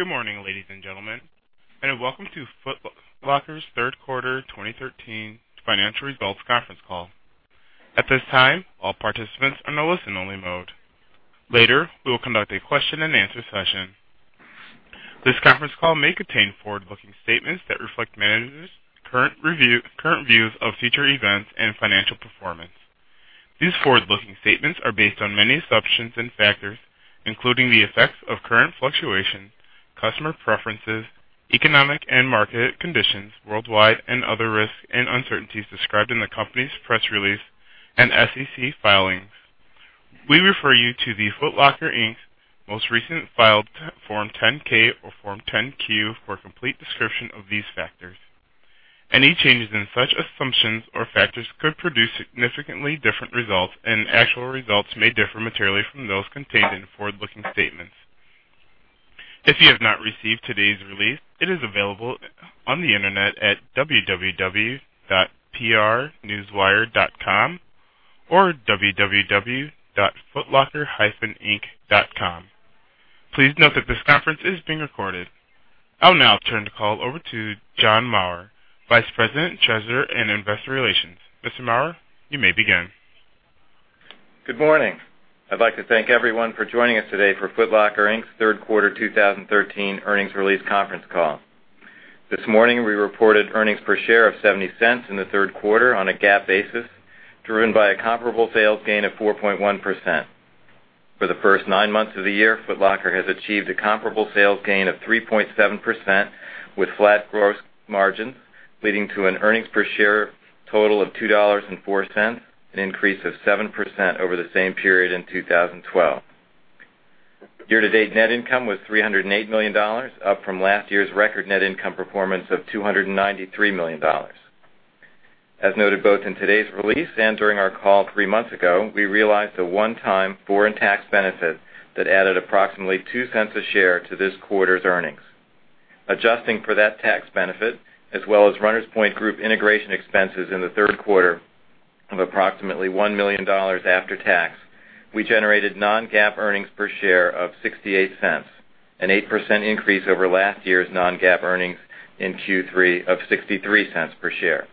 Good morning, ladies and gentlemen, welcome to Foot Locker's third quarter 2013 financial results conference call. At this time, all participants are in a listen-only mode. Later, we will conduct a question and answer session. This conference call may contain forward-looking statements that reflect management's current views of future events and financial performance. These forward-looking statements are based on many assumptions and factors, including the effects of current fluctuations, customer preferences, economic and market conditions worldwide, and other risks and uncertainties described in the company's press release and SEC filings. We refer you to Foot Locker, Inc.'s most recent filed Form 10-K or Form 10-Q for a complete description of these factors. Any changes in such assumptions or factors could produce significantly different results, and actual results may differ materially from those contained in forward-looking statements. If you have not received today's release, it is available on the Internet at www.prnewswire.com or www.footlocker-inc.com. Please note that this conference is being recorded. I'll now turn the call over to John Maurer, Vice President, Treasurer, and Investor Relations. Mr. Maurer, you may begin. Good morning. I'd like to thank everyone for joining us today for Foot Locker, Inc.'s third quarter 2013 earnings release conference call. This morning, we reported earnings per share of $0.70 in the third quarter on a GAAP basis, driven by a comparable sales gain of 4.1%. For the first nine months of the year, Foot Locker has achieved a comparable sales gain of 3.7% with flat gross margins, leading to an earnings per share total of $2.04, an increase of 7% over the same period in 2012. Year-to-date net income was $308 million, up from last year's record net income performance of $293 million. As noted both in today's release and during our call three months ago, we realized a one-time foreign tax benefit that added approximately $0.02 a share to this quarter's earnings. Adjusting for that tax benefit, as well as Runners Point Group integration expenses in the third quarter of approximately $1 million after tax, we generated non-GAAP earnings per share of $0.68, an 8% increase over last year's non-GAAP earnings in Q3 of $0.63 per share.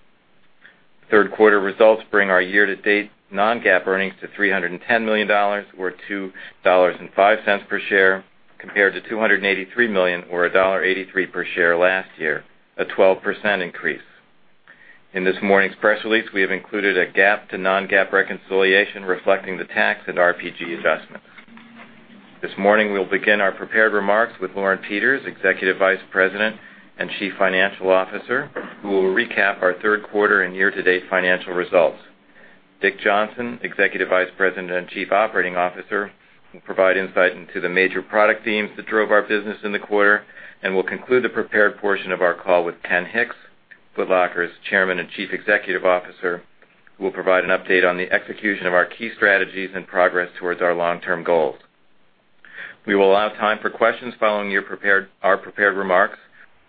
Third quarter results bring our Year-to-date non-GAAP earnings to $310 million, or $2.05 per share, compared to $283 million or $1.83 per share last year, a 12% increase. In this morning's press release, we have included a GAAP to non-GAAP reconciliation reflecting the tax and RPG adjustments. This morning, we'll begin our prepared remarks with Lauren Peters, Executive Vice President and Chief Financial Officer, who will recap our third quarter and year-to-date financial results. Dick Johnson, Executive Vice President and Chief Operating Officer, will provide insight into the major product themes that drove our business in the quarter and will conclude the prepared portion of our call with Ken Hicks, Foot Locker's Chairman and Chief Executive Officer, who will provide an update on the execution of our key strategies and progress towards our long-term goals. We will allow time for questions following our prepared remarks.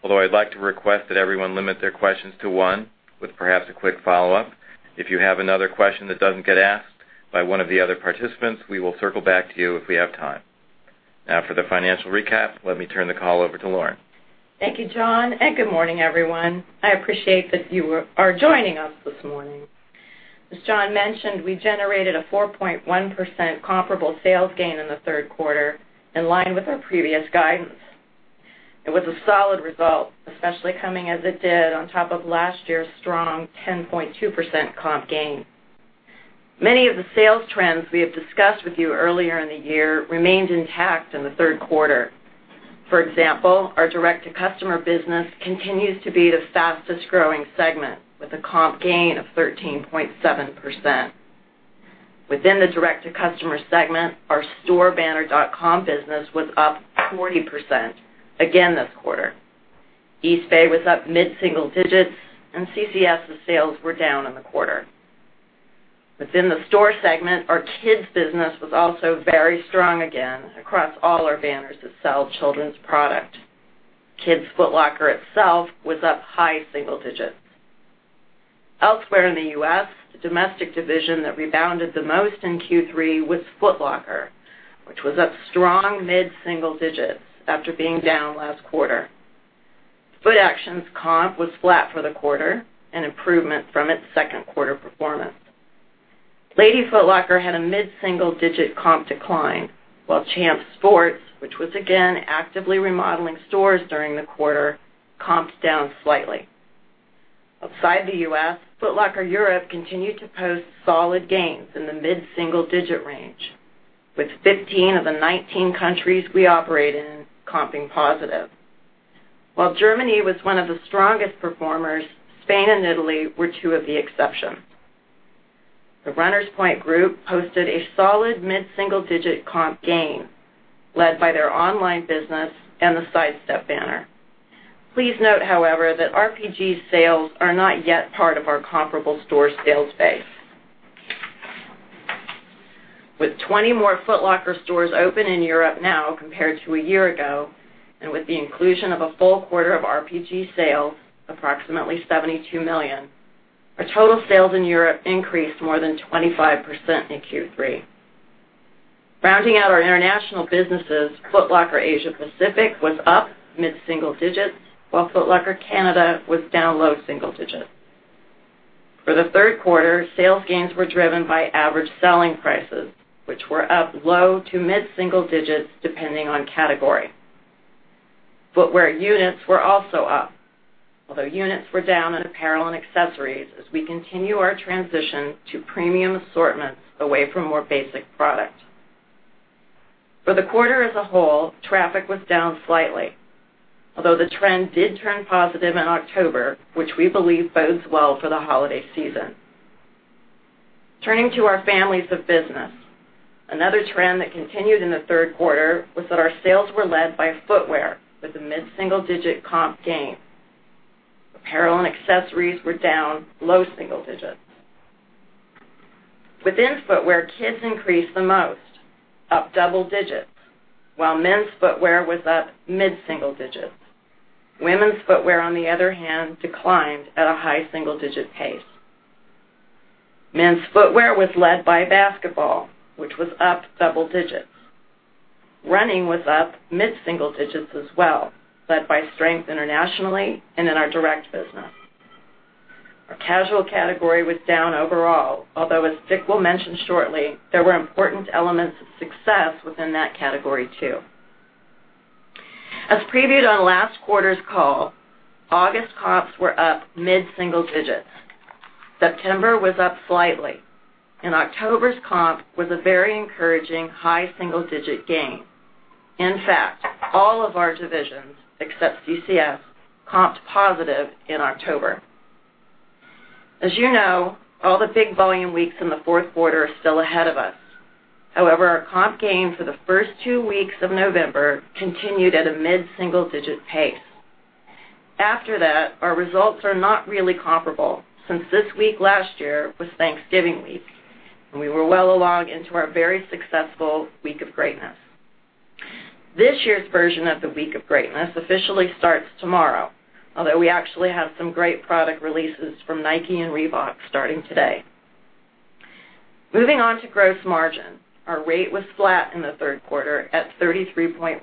Although I'd like to request that everyone limit their questions to one with perhaps a quick follow-up. If you have another question that doesn't get asked by one of the other participants, we will circle back to you if we have time. Now for the financial recap, let me turn the call over to Lauren. Thank you, John, and good morning, everyone. I appreciate that you are joining us this morning. As John mentioned, we generated a 4.1% comparable sales gain in the third quarter in line with our previous guidance. It was a solid result, especially coming as it did on top of last year's strong 10.2% comp gain. Many of the sales trends we have discussed with you earlier in the year remained intact in the third quarter. For example, our direct-to-customer business continues to be the fastest-growing segment, with a comp gain of 13.7%. Within the direct-to-customer segment, our storebanner.com business was up 40% again this quarter. Eastbay was up mid-single digits and CCS' sales were down in the quarter. Within the store segment, our kids business was also very strong again across all our banners that sell children's product. Kids Foot Locker itself was up high single digits. Elsewhere in the U.S., the domestic division that rebounded the most in Q3 was Foot Locker, which was up strong mid-single digits after being down last quarter. Footaction's comp was flat for the quarter, an improvement from its second quarter performance. Lady Foot Locker had a mid-single-digit comp decline, while Champs Sports, which was again actively remodeling stores during the quarter, comped down slightly. Outside the U.S., Foot Locker Europe continued to post solid gains in the mid-single-digit range, with 15 of the 19 countries we operate in comping positive. While Germany was one of the strongest performers, Spain and Italy were two of the exceptions. The Runners Point Group posted a solid mid-single-digit comp gain led by their online business and the Sidestep banner. Please note, however, that RPG's sales are not yet part of our comparable store sales base. With 20 more Foot Locker stores open in Europe now compared to a year ago, and with the inclusion of a full quarter of RPG sales, approximately $72 million, our total sales in Europe increased more than 25% in Q3. Rounding out our international businesses, Foot Locker Asia Pacific was up mid-single digits, while Foot Locker Canada was down low single digits. For the third quarter, sales gains were driven by average selling prices, which were up low to mid-single digits, depending on category. Footwear units were also up, although units were down in apparel and accessories as we continue our transition to premium assortments away from more basic product. For the quarter as a whole, traffic was down slightly, although the trend did turn positive in October, which we believe bodes well for the holiday season. Turning to our families of business, another trend that continued in the third quarter was that our sales were led by footwear with a mid-single-digit comp gain. Apparel and accessories were down low single digits. Within footwear, kids increased the most, up double digits, while men's footwear was up mid-single digits. Women's footwear, on the other hand, declined at a high single-digit pace. Men's footwear was led by basketball, which was up double digits. Running was up mid-single digits as well, led by strength internationally and in our direct business. Our casual category was down overall, although as Dick will mention shortly, there were important elements of success within that category too. As previewed on last quarter's call, August comps were up mid-single digits. September was up slightly, and October's comp was a very encouraging high single-digit gain. In fact, all of our divisions, except CCS, comped positive in October. As you know, all the big volume weeks in the fourth quarter are still ahead of us. Our comp gain for the first two weeks of November continued at a mid-single-digit pace. Our results are not really comparable, since this week last year was Thanksgiving week, and we were well along into our very successful Week of Greatness. This year's version of the Week of Greatness officially starts tomorrow, although we actually have some great product releases from Nike and Reebok starting today. Moving on to gross margin. Our rate was flat in the third quarter at 33.1%.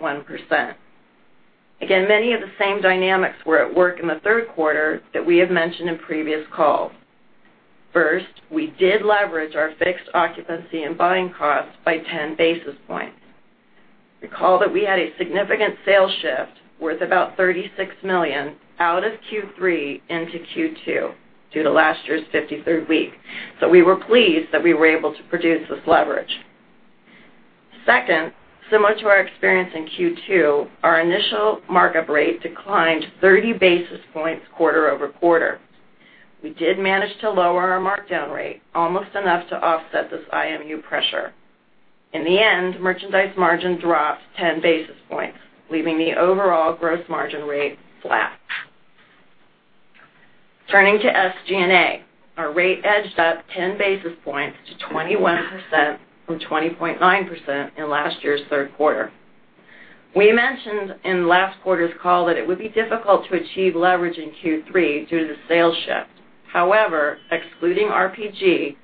Many of the same dynamics were at work in the third quarter that we have mentioned in previous calls. We did leverage our fixed occupancy and buying costs by 10 basis points. Recall that we had a significant sales shift worth about $36 million out of Q3 into Q2 due to last year's 53rd week. We were pleased that we were able to produce this leverage. Second, similar to our experience in Q2, our initial markup rate declined 30 basis points quarter-over-quarter. We did manage to lower our markdown rate almost enough to offset this IMU pressure. In the end, merchandise margin dropped 10 basis points, leaving the overall gross margin rate flat. Turning to SG&A, our rate edged up 10 basis points to 21% from 20.9% in last year's third quarter. We mentioned in last quarter's call that it would be difficult to achieve leverage in Q3 due to the sales shift. Excluding RPG,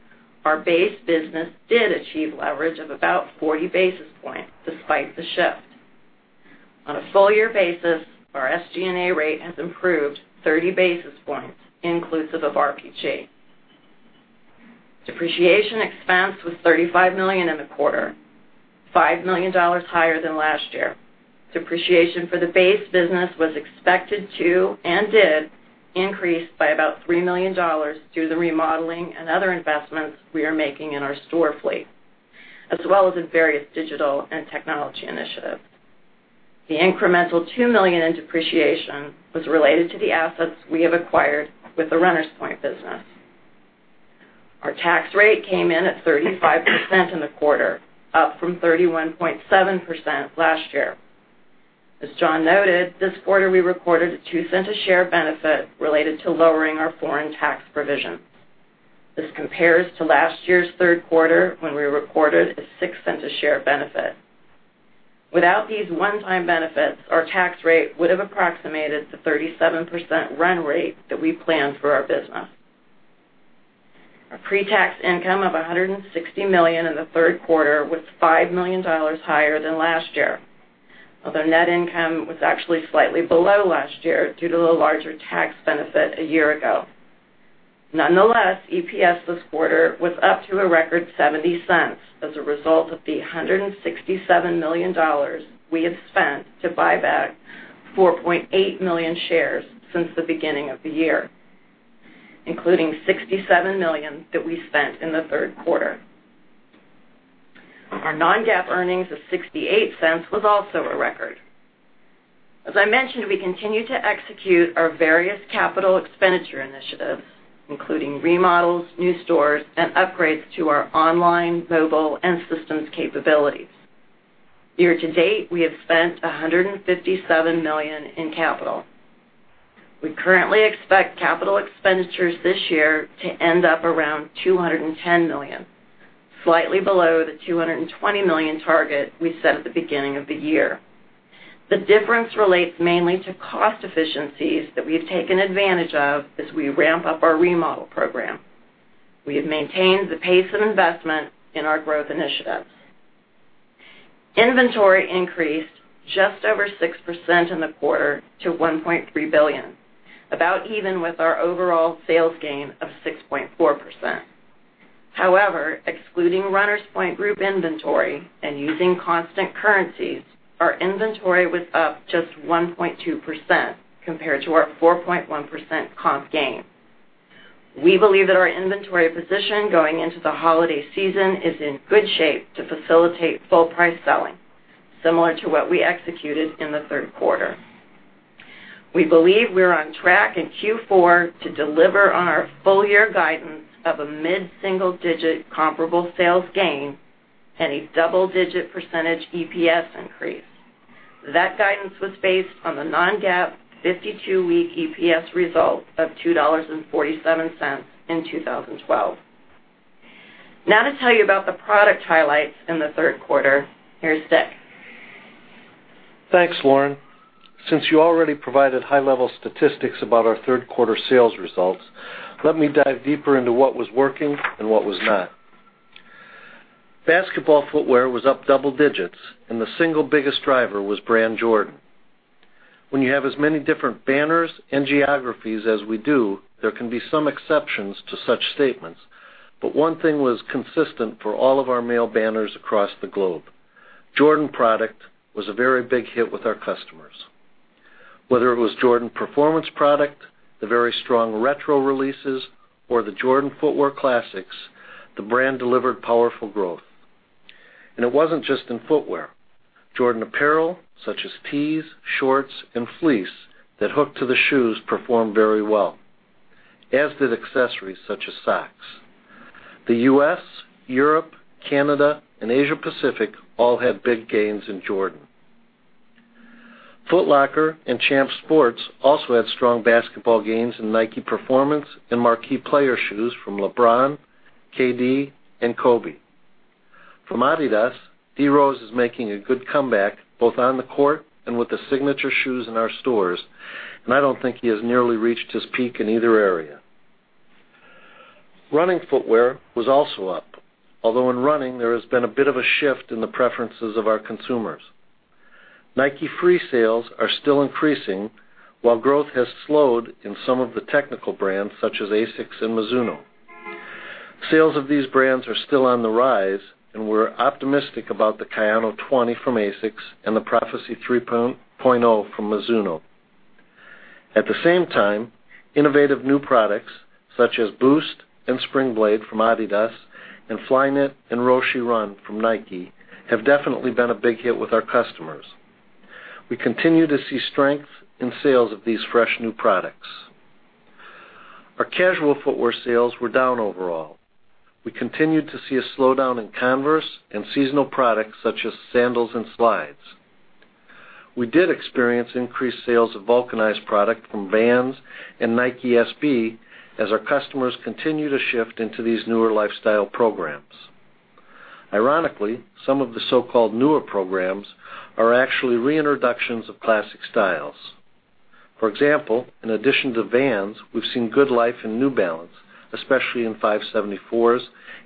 our base business did achieve leverage of about 40 basis points despite the shift. On a full-year basis, our SG&A rate has improved 30 basis points inclusive of RPG. Depreciation expense was $35 million in the quarter, $5 million higher than last year. Depreciation for the base business was expected to and did increase by about $3 million due to the remodeling and other investments we are making in our store fleet, as well as in various digital and technology initiatives. The incremental $2 million in depreciation was related to the assets we have acquired with the Runners Point business. Our tax rate came in at 35% in the quarter, up from 31.7% last year. As John noted, this quarter, we recorded a $0.02-a-share benefit related to lowering our foreign tax provisions. This compares to last year's third quarter when we recorded a $0.06-a-share benefit. Without these one-time benefits, our tax rate would have approximated the 37% run rate that we planned for our business. Our pre-tax income of $160 million in the third quarter was $5 million higher than last year. Although net income was actually slightly below last year due to the larger tax benefit a year ago. Nonetheless, EPS this quarter was up to a record $0.70 as a result of the $167 million we have spent to buy back 4.8 million shares since the beginning of the year, including $67 million that we spent in the third quarter. Our non-GAAP earnings of $0.68 was also a record. As I mentioned, we continue to execute our various capital expenditure initiatives, including remodels, new stores, and upgrades to our online, mobile, and systems capabilities. Year to date, we have spent $157 million in capital. We currently expect capital expenditures this year to end up around $210 million, slightly below the $220 million target we set at the beginning of the year. The difference relates mainly to cost efficiencies that we've taken advantage of as we ramp up our remodel program. We have maintained the pace of investment in our growth initiatives. Inventory increased just over 6% in the quarter to $1.3 billion, about even with our overall sales gain of 6.4%. However, excluding Runners Point Group inventory and using constant currencies, our inventory was up just 1.2% compared to our 4.1% comp gain. We believe that our inventory position going into the holiday season is in good shape to facilitate full price selling, similar to what we executed in the third quarter. We believe we're on track in Q4 to deliver on our full-year guidance of a mid-single-digit comparable sales gain and a double-digit percentage EPS increase. That guidance was based on the non-GAAP 52-week EPS result of $2.47 in 2012. Now to tell you about the product highlights in the third quarter, here's Dick. Thanks, Lauren. Since you already provided high-level statistics about our third-quarter sales results, let me dive deeper into what was working and what was not. Basketball footwear was up double digits, and the single biggest driver was brand Jordan. When you have as many different banners and geographies as we do, there can be some exceptions to such statements, but one thing was consistent for all of our male banners across the globe. Jordan product was a very big hit with our customers. Whether it was Jordan Performance product, the very strong retro releases, or the Jordan footwear classics, the brand delivered powerful growth. It wasn't just in footwear. Jordan apparel such as tees, shorts, and fleece that hook to the shoes performed very well. As did accessories such as socks. The U.S., Europe, Canada, and Asia Pacific all had big gains in Jordan. Foot Locker and Champs Sports also had strong basketball gains in Nike Performance and marquee player shoes from LeBron, KD, and Kobe. From Adidas, D Rose is making a good comeback both on the court and with the signature shoes in our stores, and I don't think he has nearly reached his peak in either area. Running footwear was also up, although in running, there has been a bit of a shift in the preferences of our consumers. Nike Free sales are still increasing while growth has slowed in some of the technical brands such as ASICS and Mizuno. Sales of these brands are still on the rise, and we're optimistic about the Kayano 20 from ASICS and the Prophecy 3.0 from Mizuno. At the same time, innovative new products such as Boost and Springblade from Adidas and Flyknit and Roshe Run from Nike have definitely been a big hit with our customers. We continue to see strength in sales of these fresh new products. Our casual footwear sales were down overall. We continued to see a slowdown in Converse and seasonal products such as sandals and slides. We did experience increased sales of vulcanized product from Vans and Nike SB as our customers continue to shift into these newer lifestyle programs. Ironically, some of the so-called newer programs are actually reintroductions of classic styles. For example, in addition to Vans, we've seen good life in New Balance, especially in 574s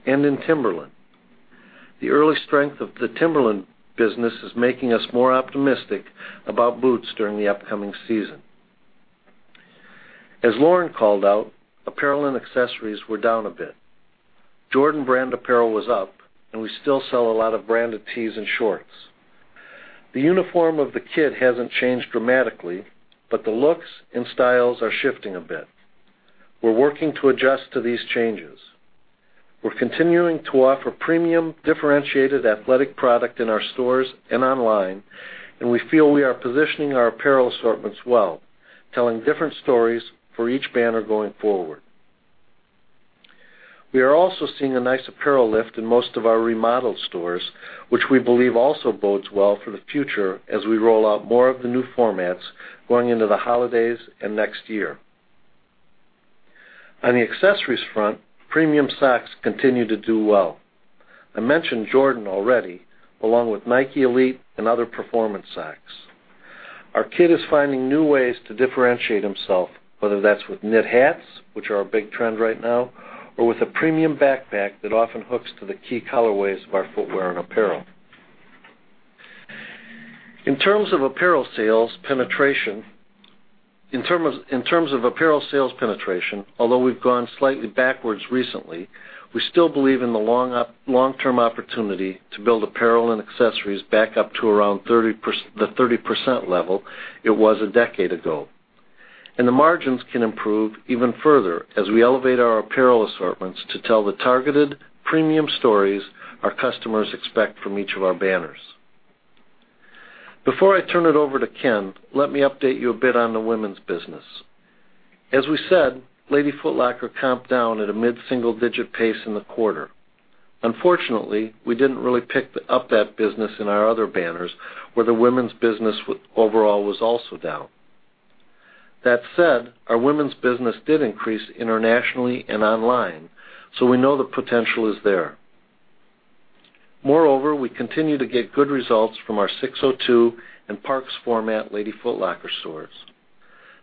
and in Timberland. The early strength of the Timberland business is making us more optimistic about boots during the upcoming season. As Lauren called out, apparel and accessories were down a bit. Jordan brand apparel was up. We still sell a lot of branded tees and shorts. The uniform of the kid hasn't changed dramatically, but the looks and styles are shifting a bit. We're working to adjust to these changes. We're continuing to offer premium, differentiated athletic product in our stores and online. We feel we are positioning our apparel assortments well, telling different stories for each banner going forward. We are also seeing a nice apparel lift in most of our remodeled stores, which we believe also bodes well for the future as we roll out more of the new formats going into the holidays and next year. On the accessories front, premium socks continue to do well. I mentioned Jordan already, along with Nike Elite and other performance socks. Our kid is finding new ways to differentiate himself, whether that's with knit hats, which are a big trend right now, or with a premium backpack that often hooks to the key colorways of our footwear and apparel. In terms of apparel sales penetration, although we've gone slightly backwards recently, we still believe in the long-term opportunity to build apparel and accessories back up to around the 30% level it was a decade ago. The margins can improve even further as we elevate our apparel assortments to tell the targeted, premium stories our customers expect from each of our banners. Before I turn it over to Ken, let me update you a bit on the women's business. As we said, Lady Foot Locker comped down at a mid-single digit pace in the quarter. Unfortunately, we didn't really pick up that business in our other banners, where the women's business overall was also down. That said, our women's business did increase internationally and online. We know the potential is there. Moreover, we continue to get good results from our SIX:02 and The Parks format Lady Foot Locker stores.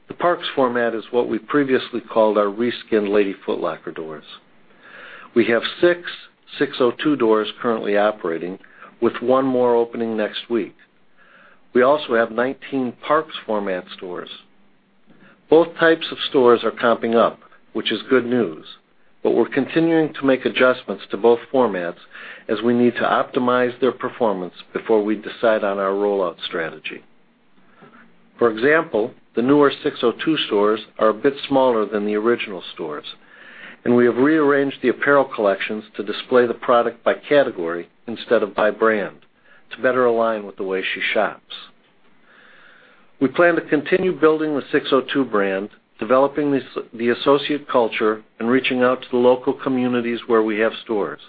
The Parks format is what we previously called our reskinned Lady Foot Locker doors. We have six SIX:02 doors currently operating, with one more opening next week. We also have 19 The Parks format stores. Both types of stores are comping up, which is good news. We're continuing to make adjustments to both formats as we need to optimize their performance before we decide on our rollout strategy. For example, the newer SIX:02 stores are a bit smaller than the original stores. We have rearranged the apparel collections to display the product by category instead of by brand to better align with the way she shops. We plan to continue building the SIX:02 brand, developing the associate culture, and reaching out to the local communities where we have stores.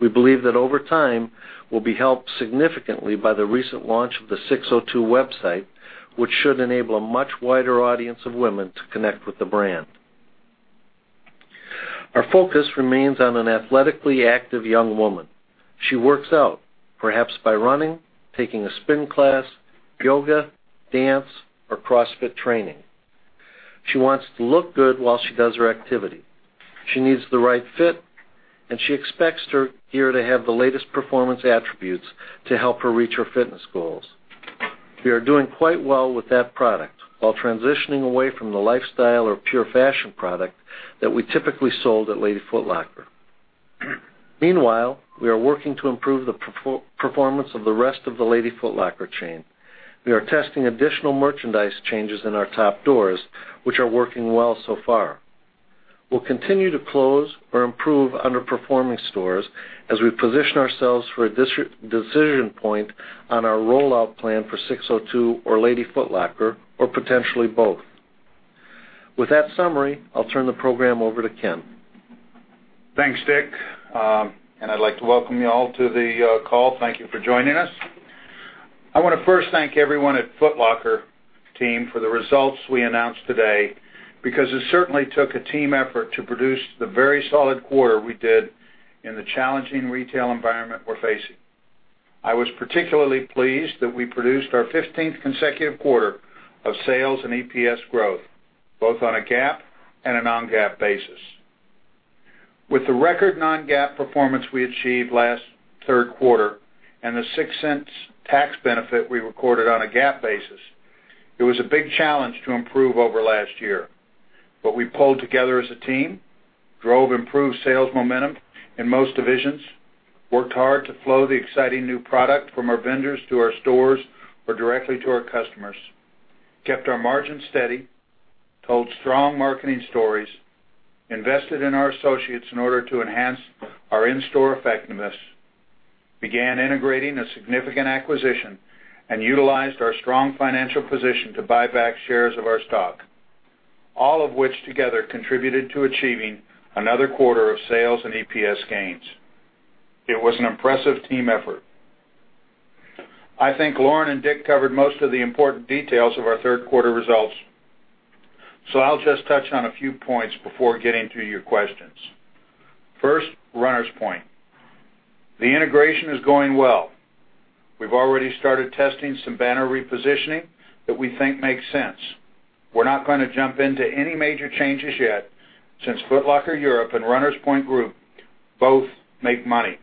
We believe that over time, we'll be helped significantly by the recent launch of the SIX:02 website, which should enable a much wider audience of women to connect with the brand. Our focus remains on an athletically active young woman. She works out, perhaps by running, taking a spin class, yoga, dance, or CrossFit training. She wants to look good while she does her activity. She needs the right fit, and she expects her gear to have the latest performance attributes to help her reach her fitness goals. We are doing quite well with that product while transitioning away from the lifestyle or pure fashion product that we typically sold at Lady Foot Locker. Meanwhile, we are working to improve the performance of the rest of the Lady Foot Locker chain. We are testing additional merchandise changes in our top doors, which are working well so far. We'll continue to close or improve underperforming stores as we position ourselves for a decision point on our rollout plan for SIX:02 or Lady Foot Locker, or potentially both. With that summary, I'll turn the program over to Ken. Thanks, Dick. I'd like to welcome you all to the call. Thank you for joining us. I want to first thank everyone at Foot Locker team for the results we announced today because it certainly took a team effort to produce the very solid quarter we did in the challenging retail environment we're facing. I was particularly pleased that we produced our 15th consecutive quarter of sales and EPS growth, both on a GAAP and a non-GAAP basis. With the record non-GAAP performance we achieved last third quarter and the $0.06 tax benefit we recorded on a GAAP basis, it was a big challenge to improve over last year. We pulled together as a team, drove improved sales momentum in most divisions, worked hard to flow the exciting new product from our vendors to our stores or directly to our customers, kept our margins steady, told strong marketing stories, invested in our associates in order to enhance our in-store effectiveness, began integrating a significant acquisition, and utilized our strong financial position to buy back shares of our stock. All of which together contributed to achieving another quarter of sales and EPS gains. It was an impressive team effort. I think Lauren and Dick covered most of the important details of our third quarter results, so I'll just touch on a few points before getting to your questions. First, Runners Point. The integration is going well. We've already started testing some banner repositioning that we think makes sense. We're not going to jump into any major changes yet, since Foot Locker Europe and Runners Point Group both make money.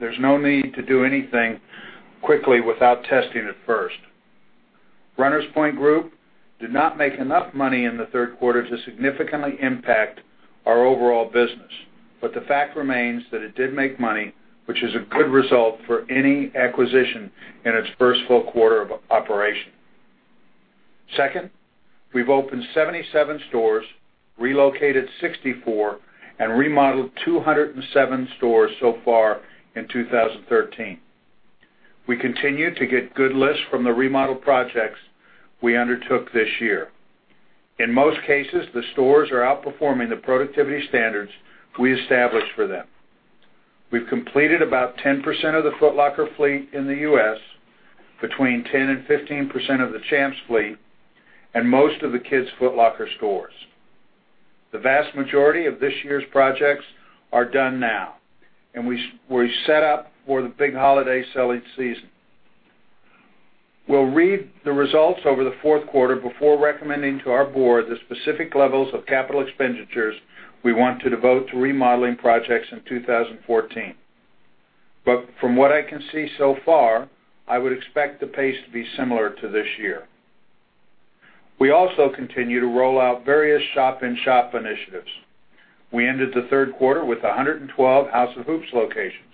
There's no need to do anything quickly without testing it first. Runners Point Group did not make enough money in the third quarter to significantly impact our overall business, but the fact remains that it did make money, which is a good result for any acquisition in its first full quarter of operation. Second, we've opened 77 stores, relocated 64, and remodeled 207 stores so far in 2013. We continue to get good lists from the remodel projects we undertook this year. In most cases, the stores are outperforming the productivity standards we established for them. We've completed about 10% of the Foot Locker fleet in the U.S., between 10% and 15% of the Champs Sports fleet, and most of the Kids Foot Locker stores. The vast majority of this year's projects are done now, we're set up for the big holiday selling season. We'll read the results over the fourth quarter before recommending to our board the specific levels of capital expenditures we want to devote to remodeling projects in 2014. From what I can see so far, I would expect the pace to be similar to this year. We also continue to roll out various shop-in-shop initiatives. We ended the third quarter with 112 House of Hoops locations,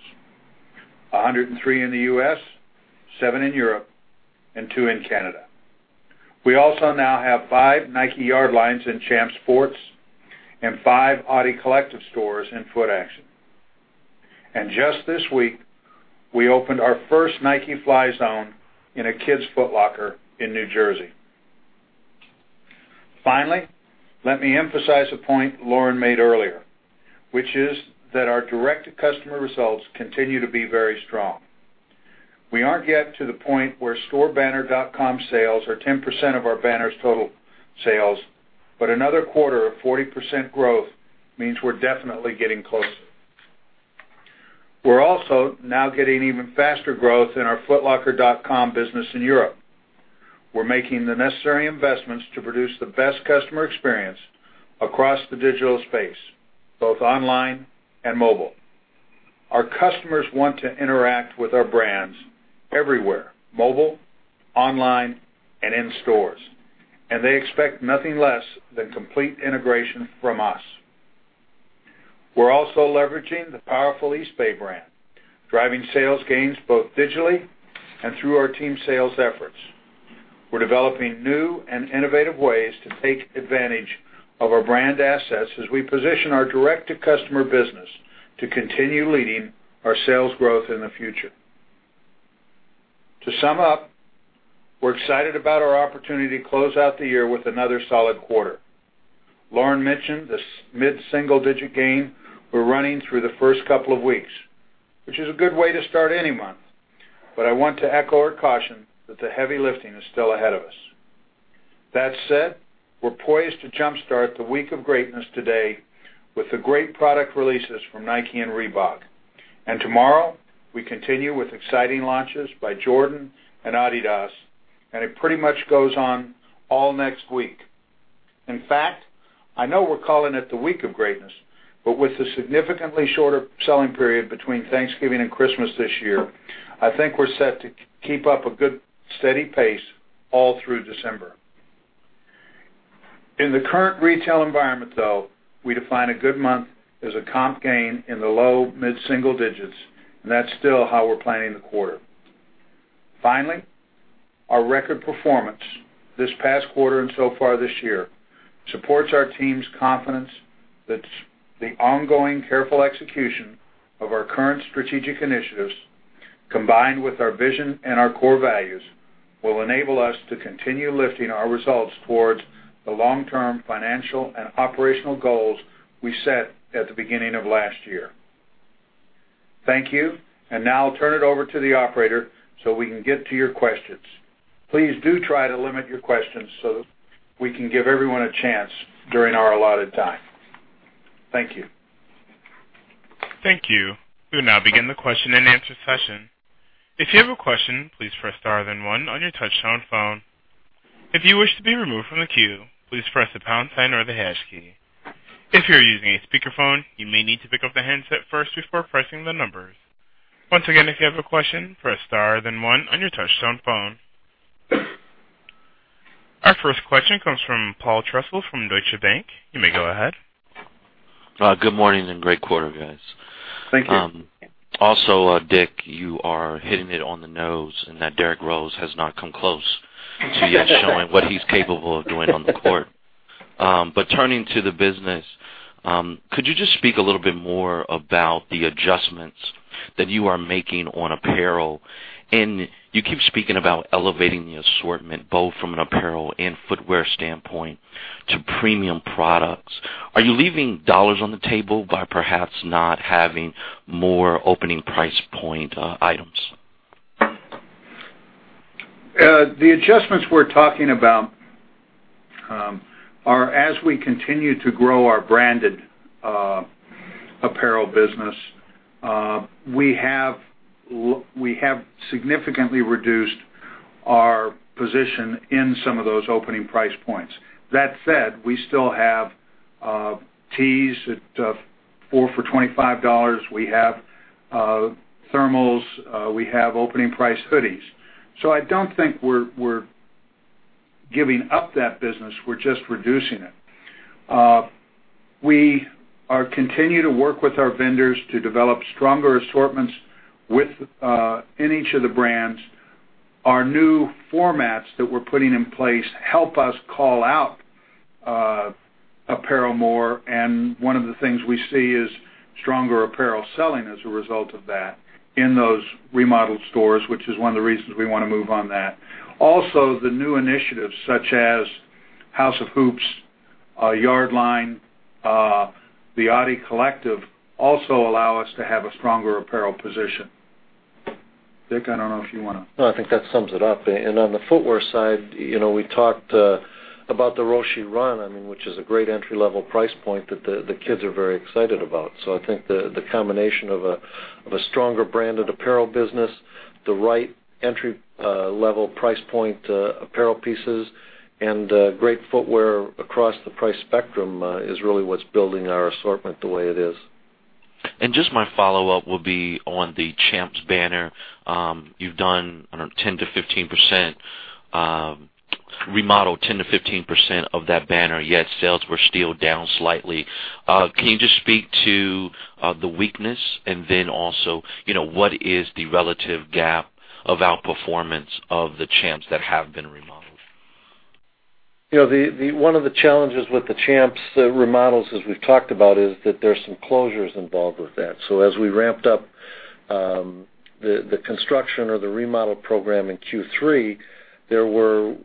103 in the U.S., seven in Europe, and two in Canada. We also now have five Nike Yardlines in Champs Sports and five adiCollective stores in Footaction. Just this week, we opened our first Nike Fly Zone in a Kids Foot Locker in New Jersey. Finally, let me emphasize a point Lauren made earlier, which is that our direct-to-customer results continue to be very strong. We aren't yet to the point where store banner.com sales are 10% of our banner's total sales, but another quarter of 40% growth means we're definitely getting closer. We're also now getting even faster growth in our footlocker.com business in Europe. We're making the necessary investments to produce the best customer experience across the digital space, both online and mobile. Our customers want to interact with our brands everywhere, mobile, online, and in stores, and they expect nothing less than complete integration from us. We're also leveraging the powerful Eastbay brand, driving sales gains both digitally and through our team sales efforts. We're developing new and innovative ways to take advantage of our brand assets as we position our direct-to-customer business to continue leading our sales growth in the future. To sum up, we're excited about our opportunity to close out the year with another solid quarter. Lauren mentioned this mid-single-digit gain we're running through the first couple of weeks, which is a good way to start any month. I want to echo her caution that the heavy lifting is still ahead of us. That said, we're poised to jumpstart the Week of Greatness today with the great product releases from Nike and Reebok. Tomorrow, we continue with exciting launches by Jordan and Adidas, and it pretty much goes on all next week. In fact, I know we're calling it the Week of Greatness, but with the significantly shorter selling period between Thanksgiving and Christmas this year, I think we're set to keep up a good, steady pace all through December. In the current retail environment, though, we define a good month as a comp gain in the low mid-single digits, and that's still how we're planning the quarter. Finally, our record performance this past quarter and so far this year supports our team's confidence that the ongoing careful execution of our current strategic initiatives, combined with our vision and our core values, will enable us to continue lifting our results towards the long-term financial and operational goals we set at the beginning of last year. Thank you. Now I'll turn it over to the operator so we can get to your questions. Please do try to limit your questions so we can give everyone a chance during our allotted time. Thank you. Thank you. We'll now begin the question and answer session. If you have a question, please press star then one on your touchtone phone. If you wish to be removed from the queue, please press the pound sign or the hash key. If you're using a speakerphone, you may need to pick up the handset first before pressing the numbers. Once again, if you have a question, press star then one on your touchtone phone. Our first question comes from Paul Trussell from Deutsche Bank. You may go ahead. Good morning. Great quarter, guys. Thank you. Dick, you are hitting it on the nose in that Derrick Rose has not come close to yet showing what he's capable of doing on the court. Turning to the business, could you just speak a little bit more about the adjustments that you are making on apparel? You keep speaking about elevating the assortment, both from an apparel and footwear standpoint to premium products. Are you leaving dollars on the table by perhaps not having more opening price point items? The adjustments we're talking about are as we continue to grow our branded apparel business, we have significantly reduced our position in some of those opening price points. That said, we still have tees at four for $25. We have thermals. We have opening price hoodies. I don't think we're giving up that business. We're just reducing it. We continue to work with our vendors to develop stronger assortments in each of the brands. Our new formats that we're putting in place help us call out apparel more. One of the things we see is stronger apparel selling as a result of that in those remodeled stores, which is one of the reasons we want to move on that. The new initiatives such as House of Hoops, Yardline, the adiCollective, also allow us to have a stronger apparel position. Dick, I don't know if you want to No, I think that sums it up. On the footwear side, we talked about the Roshe Run, which is a great entry-level price point that the kids are very excited about. I think the combination of a stronger branded apparel business, the right entry-level price point apparel pieces, and great footwear across the price spectrum is really what's building our assortment the way it is. Just my follow-up will be on the Champs banner. You've done, I don't know, 10%-15%, remodeled 10%-15% of that banner, yet sales were still down slightly. Can you just speak to the weakness? Then also, what is the relative gap of outperformance of the Champs that have been remodeled? One of the challenges with the Champs remodels, as we've talked about, is that there's some closures involved with that. As we ramped up the construction or the remodel program in Q3, there were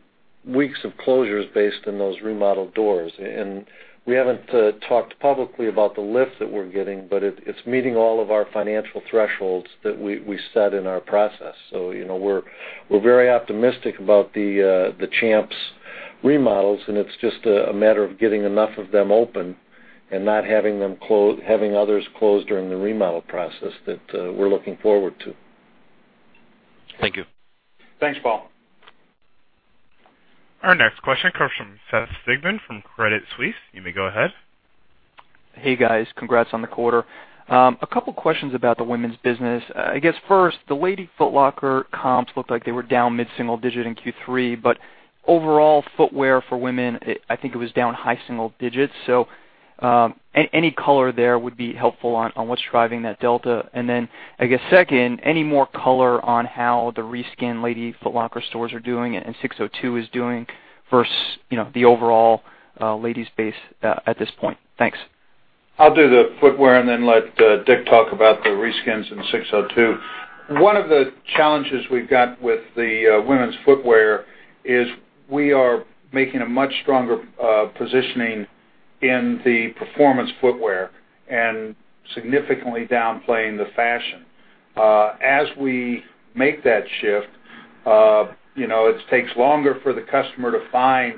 weeks of closures based on those remodeled doors. We haven't talked publicly about the lift that we're getting, it's meeting all of our financial thresholds that we set in our process. We're very optimistic about the Champs remodels, it's just a matter of getting enough of them open and not having others closed during the remodel process that we're looking forward to. Thank you. Thanks, Paul Trussell. Our next question comes from Seth Sigman from Credit Suisse. You may go ahead. Hey, guys. Congrats on the quarter. A couple questions about the women's business. I guess first, the Lady Foot Locker comps looked like they were down mid-single digit in Q3, but overall footwear for women, I think it was down high single digits. Any color there would be helpful on what's driving that delta. I guess second, any more color on how the reskinned Lady Foot Locker stores are doing and SIX:02 is doing versus the overall ladies' base at this point? Thanks. I'll do the footwear and then let Dick talk about the reskinned and SIX:02. One of the challenges we've got with the women's footwear is we are making a much stronger positioning in the performance footwear and significantly downplaying the fashion. As we make that shift, it takes longer for the customer to find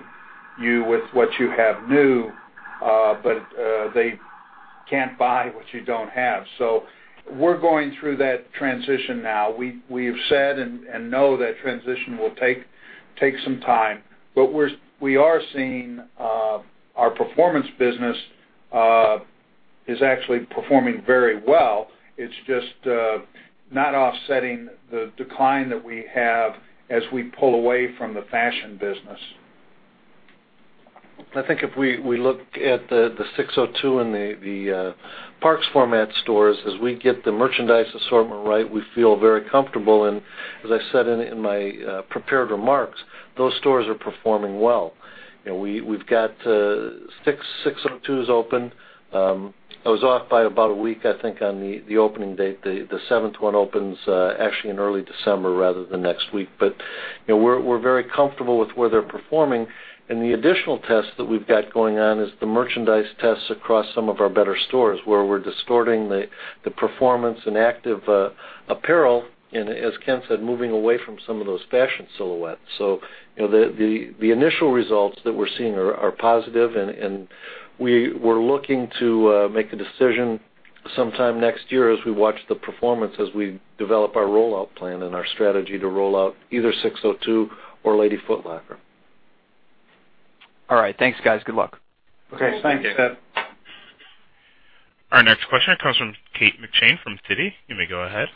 you with what you have new. They can't buy what you don't have. We're going through that transition now. We've said and know that transition will take some time. We are seeing our performance business is actually performing very well. It's just not offsetting the decline that we have as we pull away from the fashion business. I think if we look at the SIX:02 and The Parks format stores, as we get the merchandise assortment right, we feel very comfortable. As I said in my prepared remarks, those stores are performing well. We've got six SIX:02s open. I was off by about a week, I think, on the opening date. The seventh one opens actually in early December rather than next week. We're very comfortable with where they're performing. The additional test that we've got going on is the merchandise tests across some of our better stores, where we're distorting the performance and active apparel, and as Ken said, moving away from some of those fashion silhouettes. The initial results that we're seeing are positive, and we're looking to make a decision sometime next year as we watch the performance, as we develop our rollout plan and our strategy to roll out either SIX:02 or Lady Foot Locker. All right. Thanks, guys. Good luck. Okay. Thanks, Seth. Our next question comes from Kate McShane from Citi. You may go ahead.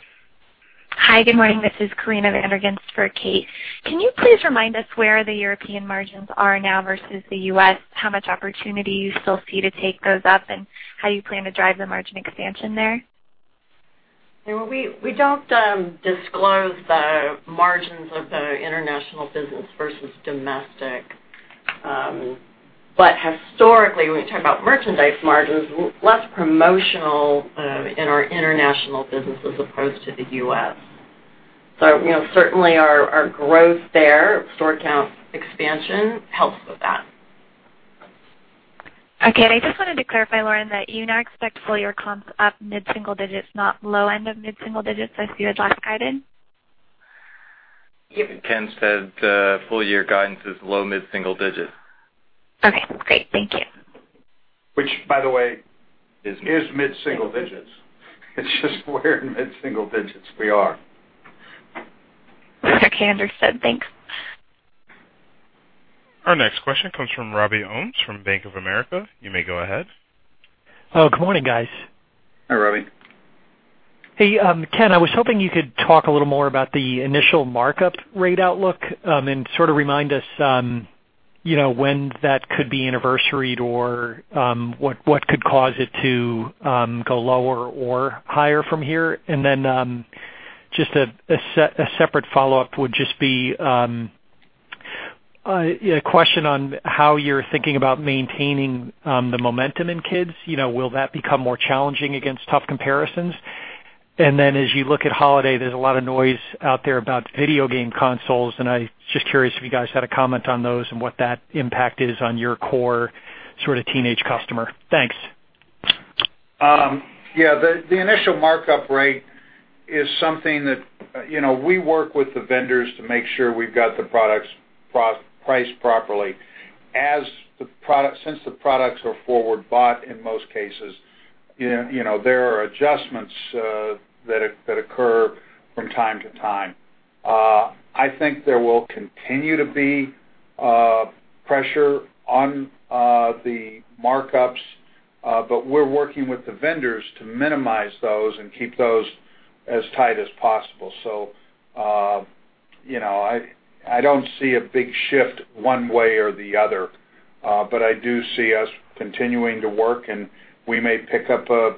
Hi. Good morning. This is Corinna van der Ghinst for Kate. Can you please remind us where the European margins are now versus the U.S., how much opportunity you still see to take those up, and how you plan to drive the margin expansion there? We don't disclose the margins of the international business versus domestic. Historically, when we talk about merchandise margins, less promotional in our international business as opposed to the U.S. Certainly, our growth there, store count expansion, helps with that. Okay. I just wanted to clarify, Lauren, that you now expect full-year comps up mid-single digits, not low end of mid-single digits as you had last guided? Ken said full-year guidance is low mid-single digits. Okay, great. Thank you. Which, by the way, is mid-single digits. It's just where in mid-single digits we are. Okay. Understood. Thanks. Our next question comes from Robby Olmes from Bank of America. You may go ahead. Good morning, guys. Hi, Robbie. Hey, Ken, I was hoping you could talk a little more about the initial markup rate outlook, sort of remind us when that could be anniversaried or what could cause it to go lower or higher from here. Just a separate follow-up would just be a question on how you're thinking about maintaining the momentum in kids. Will that become more challenging against tough comparisons? As you look at holiday, there's a lot of noise out there about video game consoles, and I'm just curious if you guys had a comment on those and what that impact is on your core teenage customer. Thanks. Yeah. The initial markup rate is something that we work with the vendors to make sure we've got the products priced properly. Since the products are forward-bought in most cases, there are adjustments that occur from time to time. I think there will continue to be pressure on the markups. We're working with the vendors to minimize those and keep those as tight as possible. I don't see a big shift one way or the other. I do see us continuing to work, and we may pick up a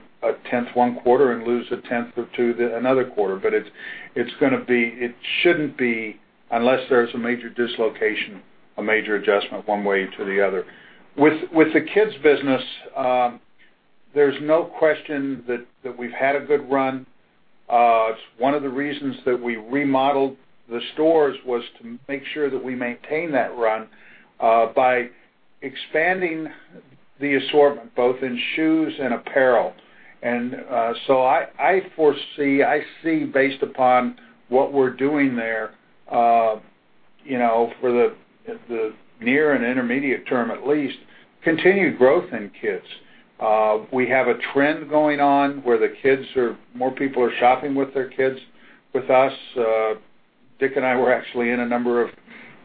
tenth one quarter and lose a tenth or two another quarter. It shouldn't be, unless there's a major dislocation, a major adjustment one way to the other. With the kids business, there's no question that we've had a good run. One of the reasons that we remodeled the stores was to make sure that we maintain that run by expanding the assortment, both in shoes and apparel. I foresee, based upon what we're doing there, for the near and intermediate term at least, continued growth in kids. We have a trend going on where more people are shopping with their kids with us. Dick and I were actually in a number of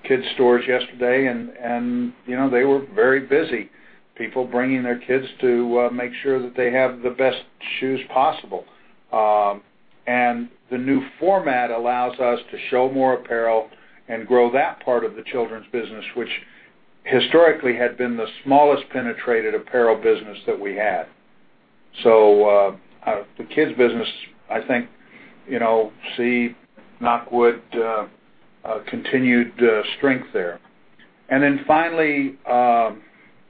kids stores yesterday, and they were very busy. People bringing their kids to make sure that they have the best shoes possible. The new format allows us to show more apparel and grow that part of the children's business, which historically had been the smallest penetrated apparel business that we had. The kids business, I think, knock on wood continued strength there. Finally,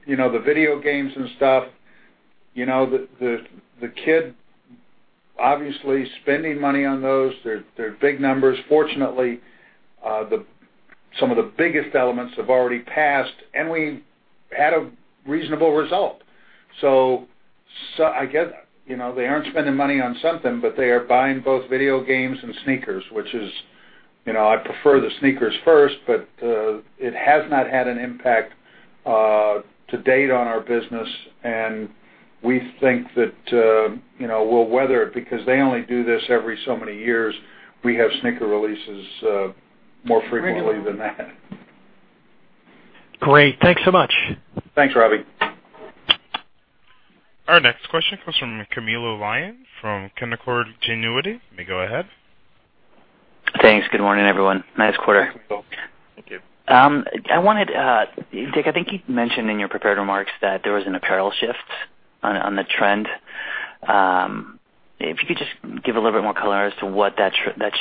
the video games and stuff. The kid obviously spending money on those. They're big numbers. Fortunately, some of the biggest elements have already passed, and we had a reasonable result. I get they aren't spending money on something, but they are buying both video games and sneakers. I'd prefer the sneakers first, but it has not had an impact to date on our business, and we think that we'll weather it because they only do this every so many years. We have sneaker releases more frequently than that. Great. Thanks so much. Thanks, Robbie. Our next question comes from Camilo Lyon from Canaccord Genuity. You may go ahead. Thanks. Good morning, everyone. Nice quarter. Thank you. Dick, I think you mentioned in your prepared remarks that there was an apparel shift on the trend. If you could just give a little bit more color as to what that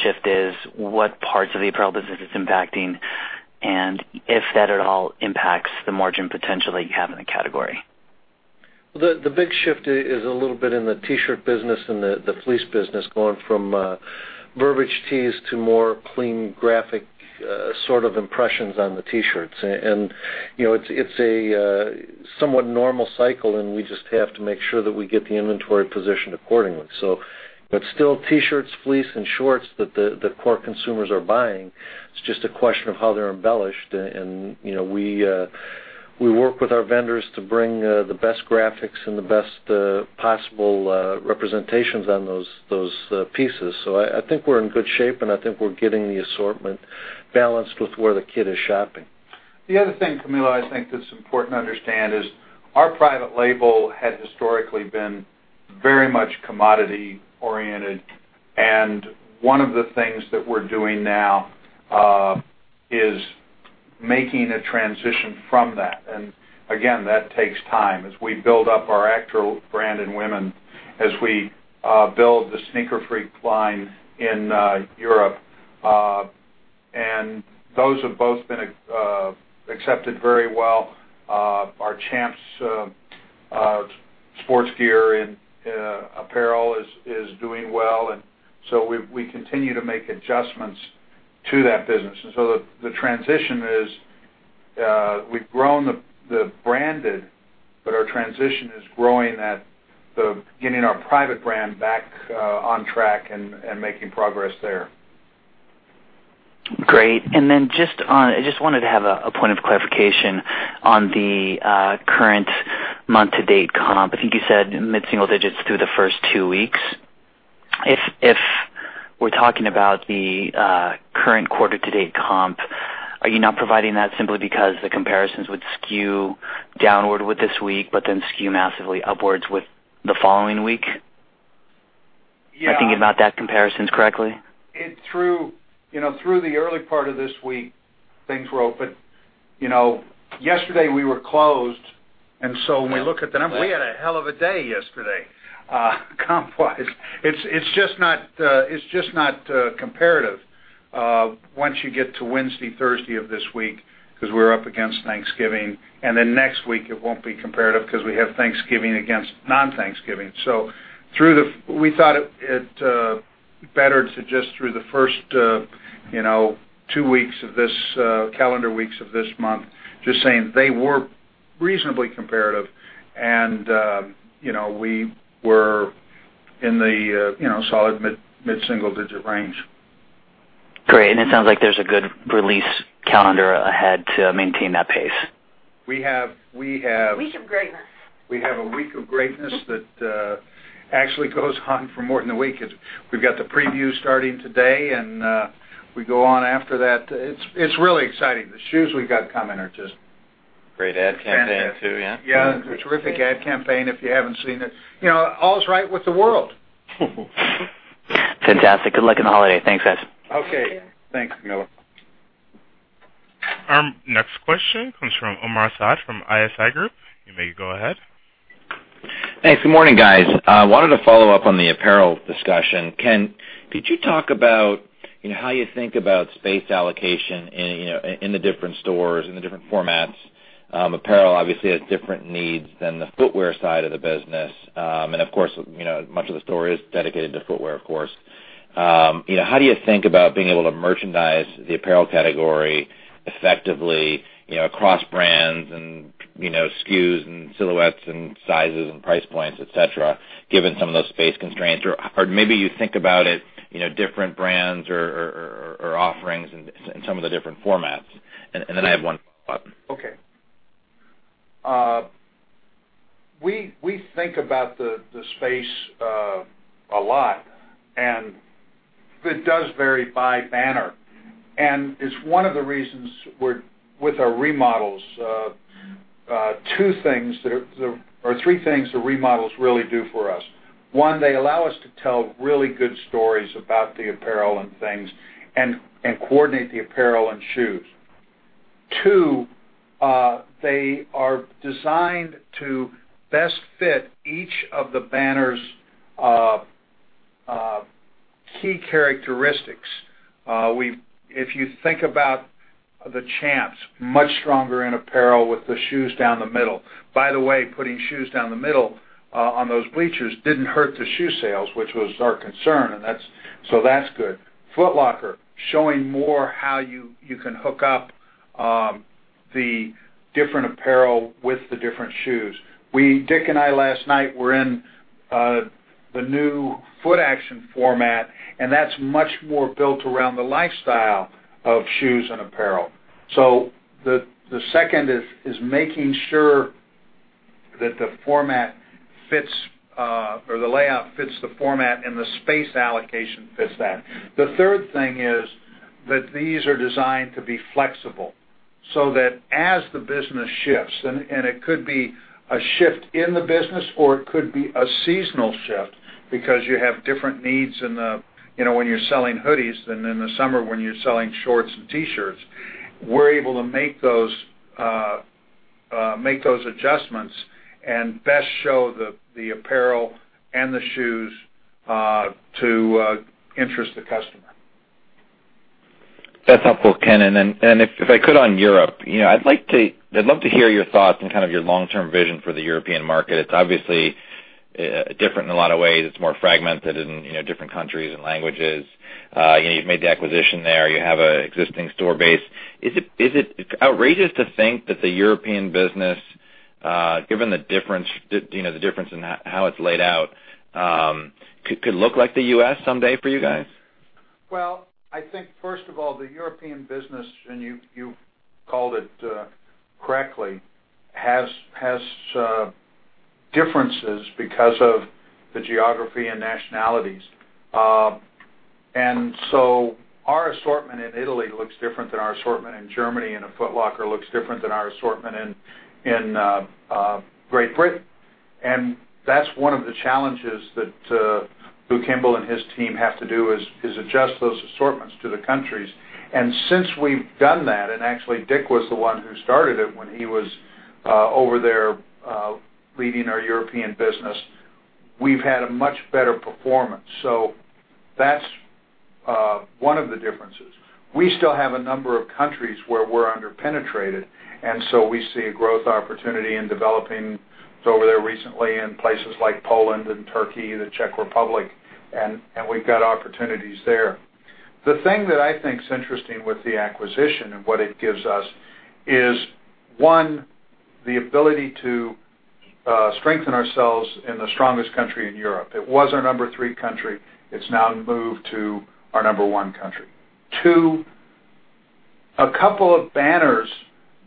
shift is, what parts of the apparel business it's impacting, and if that at all impacts the margin potential that you have in the category. The big shift is a little bit in the T-shirt business and the fleece business going from verbiage tees to more clean graphic sort of impressions on the T-shirts. It's a somewhat normal cycle and we just have to make sure that we get the inventory positioned accordingly. Still T-shirts, fleece, and shorts that the core consumers are buying. It's just a question of how they're embellished and we work with our vendors to bring the best graphics and the best possible representations on those pieces. I think we're in good shape and I think we're getting the assortment balanced with where the kid is shopping. The other thing, Camilo, I think that's important to understand is our private label had historically been very much commodity oriented. One of the things that we're doing now is making a transition from that. Again, that takes time as we build up our actual brand in women, as we build the Sneaker Freak line in Europe. Those have both been accepted very well. Our Champs Sports gear and apparel is doing well, we continue to make adjustments to that business. The transition is we've grown the branded, but our transition is growing at the beginning our private brand back on track and making progress there. Great. Just on, I just wanted to have a point of clarification on the current month to date comp. I think you said mid-single digits through the first two weeks. If we're talking about the current quarter to date comp, are you not providing that simply because the comparisons would skew downward with this week, but then skew massively upwards with the following week? Yeah. Am I thinking about that comparisons correctly? Through the early part of this week, things were open. Yesterday, we were closed, when we look at the number. We had a hell of a day yesterday, comp-wise. It's just not comparative once you get to Wednesday, Thursday of this week because we're up against Thanksgiving. Next week, it won't be comparative because we have Thanksgiving against non-Thanksgiving. We thought it better to just through the first two calendar weeks of this month, just saying they were reasonably comparative and we were in the solid mid-single digit range. Great. It sounds like there's a good release calendar ahead to maintain that pace. We have- Week of Greatness We have a Week of Greatness that actually goes on for more than a week. We've got the preview starting today and we go on after that. It's really exciting. The shoes we've got coming are just- Great ad campaign too, yeah? Yeah. A terrific ad campaign, if you haven't seen it. All's right with the world. Fantastic. Good luck in the holiday. Thanks, guys. Okay. Thank you. Thanks, Camilo. Our next question comes from Omar Saad from ISI Group. You may go ahead. Thanks. Good morning, guys. I wanted to follow up on the apparel discussion. Ken, could you talk about How you think about space allocation in the different stores, in the different formats. Apparel obviously has different needs than the footwear side of the business. Of course, much of the store is dedicated to footwear, of course. How do you think about being able to merchandise the apparel category effectively across brands and SKUs and silhouettes and sizes and price points, et cetera, given some of those space constraints? Or maybe you think about it, different brands or offerings in some of the different formats. Then I have one follow-up. Okay. We think about the space a lot, and it does vary by banner. It's one of the reasons with our remodels, two things or three things the remodels really do for us. One, they allow us to tell really good stories about the apparel and things and coordinate the apparel and shoes. Two, they are designed to best fit each of the banner's key characteristics. If you think about the Champs, much stronger in apparel with the shoes down the middle. By the way, putting shoes down the middle on those bleachers didn't hurt the shoe sales, which was our concern, and so that's good. Foot Locker, showing more how you can hook up the different apparel with the different shoes. Dick and I, last night, were in the new Footaction format, and that's much more built around the lifestyle of shoes and apparel. The second is making sure that the layout fits the format and the space allocation fits that. The third thing is that these are designed to be flexible so that as the business shifts, and it could be a shift in the business, or it could be a seasonal shift because you have different needs when you're selling hoodies than in the summer when you're selling shorts and T-shirts, we're able to make those adjustments and best show the apparel and the shoes to interest the customer. That's helpful, Ken. If I could on Europe, I'd love to hear your thoughts and kind of your long-term vision for the European market. It's obviously different in a lot of ways. It's more fragmented in different countries and languages. You've made the acquisition there. You have an existing store base. Is it outrageous to think that the European business, given the difference in how it's laid out, could look like the U.S. someday for you guys? I think first of all, the European business, and you called it correctly, has differences because of the geography and nationalities. Our assortment in Italy looks different than our assortment in Germany, and a Foot Locker looks different than our assortment in Great Britain. That's one of the challenges that Lew Kimble and his team have to do, is adjust those assortments to the countries. Since we've done that, and actually Dick was the one who started it when he was over there, leading our European business, we've had a much better performance. That's one of the differences. We still have a number of countries where we're under-penetrated, we see a growth opportunity in developing. Over there recently in places like Poland and Turkey, the Czech Republic, and we've got opportunities there. The thing that I think is interesting with the acquisition and what it gives us is, 1, the ability to strengthen ourselves in the strongest country in Europe. It was our number 3 country. It's now moved to our number 1 country. 2, a couple of banners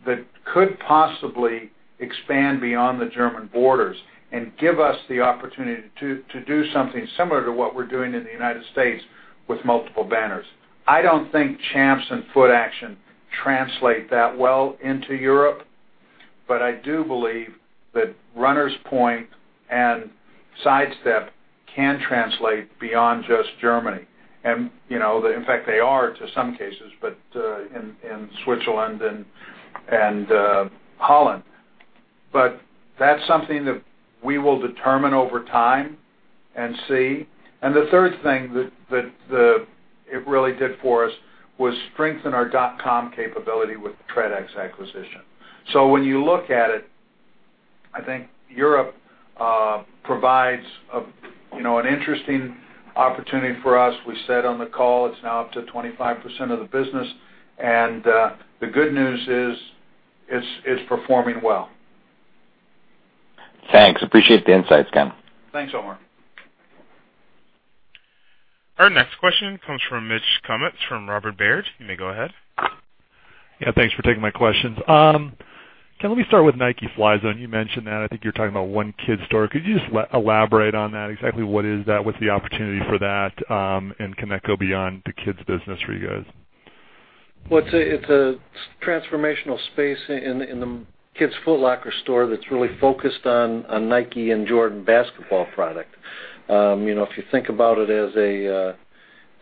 that could possibly expand beyond the German borders and give us the opportunity to do something similar to what we're doing in the U.S. with multiple banners. I don't think Champs and Footaction translate that well into Europe, but I do believe that Runners Point and Sidestep can translate beyond just Germany. In fact, they are to some cases, in Switzerland and Holland. That's something that we will determine over time and see. The third thing that it really did for us was strengthen our dotcom capability with the Tredex acquisition. When you look at it, I think Europe provides an interesting opportunity for us. We said on the call, it's now up to 25% of the business, the good news is, it's performing well. Thanks. Appreciate the insights, Ken. Thanks, Omar. Our next question comes from Mitch Kummetz from Robert Baird. You may go ahead. Yeah, thanks for taking my questions. Ken, let me start with Nike Fly Zone. You mentioned that, I think you're talking about one Kids store. Could you just elaborate on that? Exactly what is that? What's the opportunity for that? Can that go beyond the Kids business for you guys? Well, it's a transformational space in the Kids Foot Locker store that's really focused on Nike and Jordan basketball product. If you think about it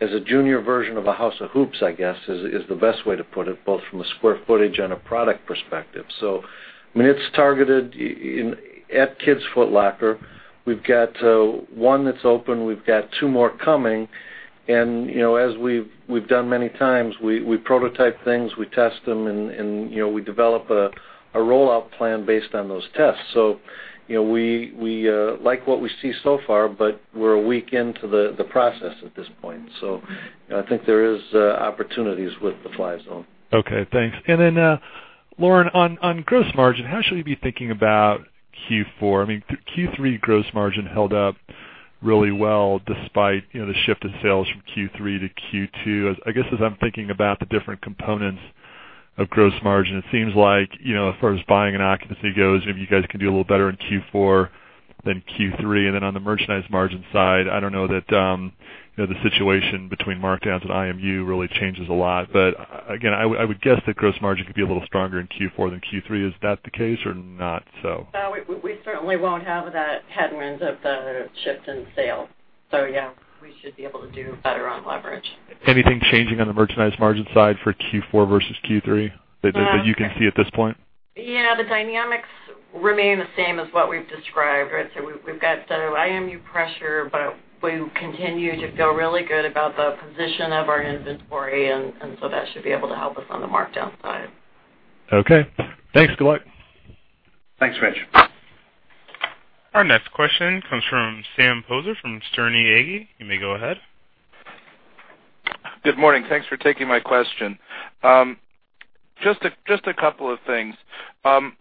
as a junior version of a House of Hoops, I guess, is the best way to put it, both from a square footage and a product perspective. It's targeted at Kids Foot Locker. We've got one that's open, we've got two more coming. As we've done many times, we prototype things, we test them, and we develop a rollout plan based on those tests. We like what we see so far, but we're a week into the process at this point. I think there is opportunities with the Fly Zone. Okay, thanks. Lauren, on gross margin, how should we be thinking about Q4? Q3 gross margin held up really well despite the shift in sales from Q3 to Q2. I guess, as I'm thinking about the different components of gross margin, it seems like, as far as buying and occupancy goes, maybe you guys can do a little better in Q4 than Q3. Again, I would guess that gross margin could be a little stronger in Q4 than Q3. Is that the case or not so? No, we certainly won't have that headwinds of the shift in sales. Yes, we should be able to do better on leverage. Anything changing on the merchandise margin side for Q4 versus Q3 that you can see at this point? Yeah, the dynamics remain the same as what we've described. We've got the IMU pressure, we continue to feel really good about the position of our inventory, that should be able to help us on the markdown side. Okay. Thanks. Good luck. Thanks, Mich. Our next question comes from Sam Poser from Sterne Agee. You may go ahead. Good morning. Thanks for taking my question. Just a couple of things. Can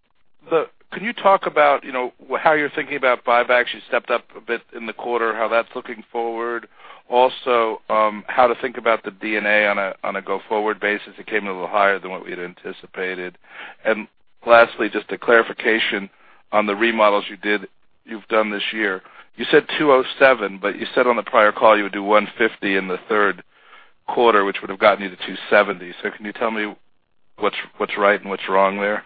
you talk about how you're thinking about buyback? She stepped up a bit in the quarter, how that's looking forward. Also, how to think about the D&A on a go-forward basis. It came in a little higher than what we had anticipated. Lastly, just a clarification on the remodels you've done this year. You said 207, but you said on the prior call you would do 150 in the third quarter, which would have gotten you to 270. Can you tell me what's right and what's wrong there?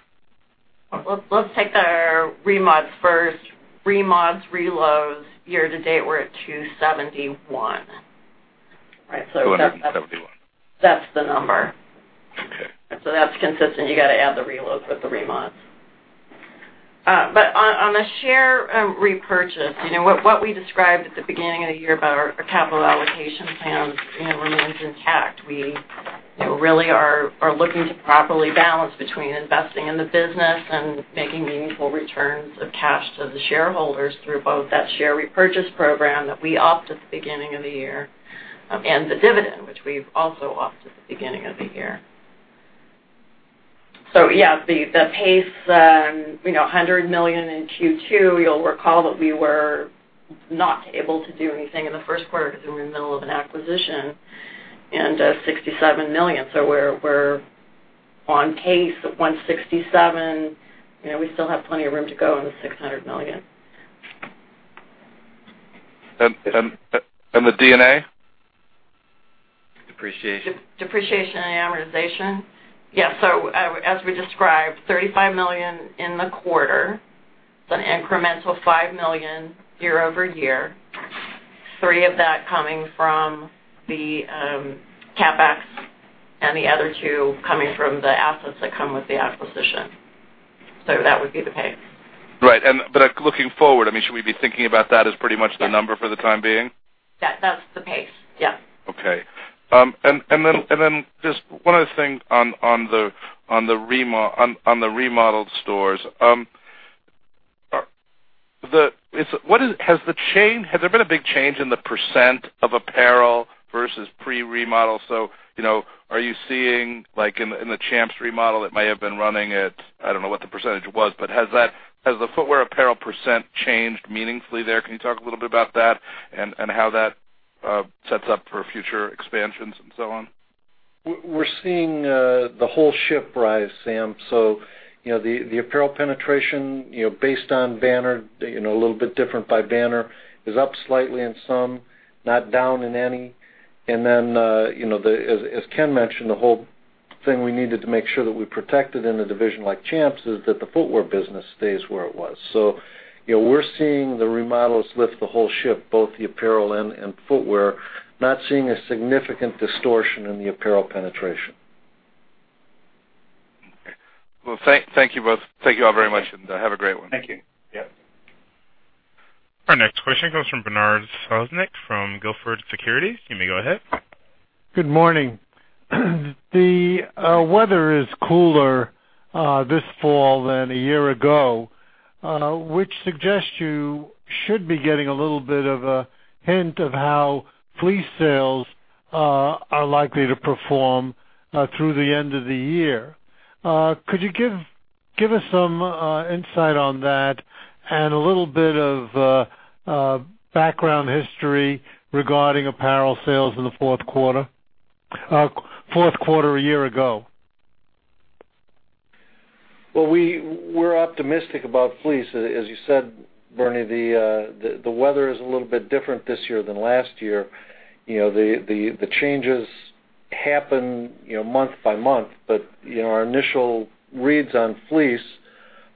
Let's take the remodels first. Remodels, reloads, year to date, we're at 271. That's- 271. That's the number. Okay. That's consistent. You got to add the reloads with the remodels. On the share repurchase. What we described at the beginning of the year about our capital allocation plans remains intact. We really are looking to properly balance between investing in the business and making meaningful returns of cash to the shareholders through both that share repurchase program that we opt at the beginning of the year and the dividend, which we've also opt at the beginning of the year. Yes, the pace, $100 million in Q2, you'll recall that we were not able to do anything in the first quarter because we were in the middle of an acquisition and $67 million. We're on pace at 167. We still have plenty of room to go on the $600 million. the D&A? Depreciation. Depreciation and amortization. Yes. As we described, $35 million in the quarter. It's an incremental $5 million year-over-year. Three of that coming from the CapEx and the other two coming from the assets that come with the acquisition. That would be the pace. Right. Looking forward, should we be thinking about that as pretty much the number for the time being? Yes, that's the pace. Yes. Okay. Just one other thing on the remodeled stores. Has there been a big change in the % of apparel versus pre-remodel? Are you seeing, like in the Champs remodel it may have been running at, I don't know what the % was, but has the footwear apparel % changed meaningfully there? Can you talk a little bit about that and how that sets up for future expansions and so on? We're seeing the whole ship rise, Sam. The apparel penetration, based on banner, a little bit different by banner, is up slightly in some, not down in any. As Ken mentioned, the whole thing we needed to make sure that we protected in a division like Champs is that the footwear business stays where it was. We're seeing the remodels lift the whole ship, both the apparel and footwear. Not seeing a significant distortion in the apparel penetration. Okay. Well, thank you both. Thank you all very much, and have a great one. Thank you. Yes. Our next question comes from Bernard Sosnick from Gilford Securities. You may go ahead. Good morning. The weather is cooler this fall than a year ago, which suggests you should be getting a little bit of a hint of how fleece sales are likely to perform through the end of the year. Could you give us some insight on that and a little bit of background history regarding apparel sales in the fourth quarter a year ago? Well, we're optimistic about fleece. As you said, Bernie, the weather is a little bit different this year than last year. The changes happen month by month, but our initial reads on fleece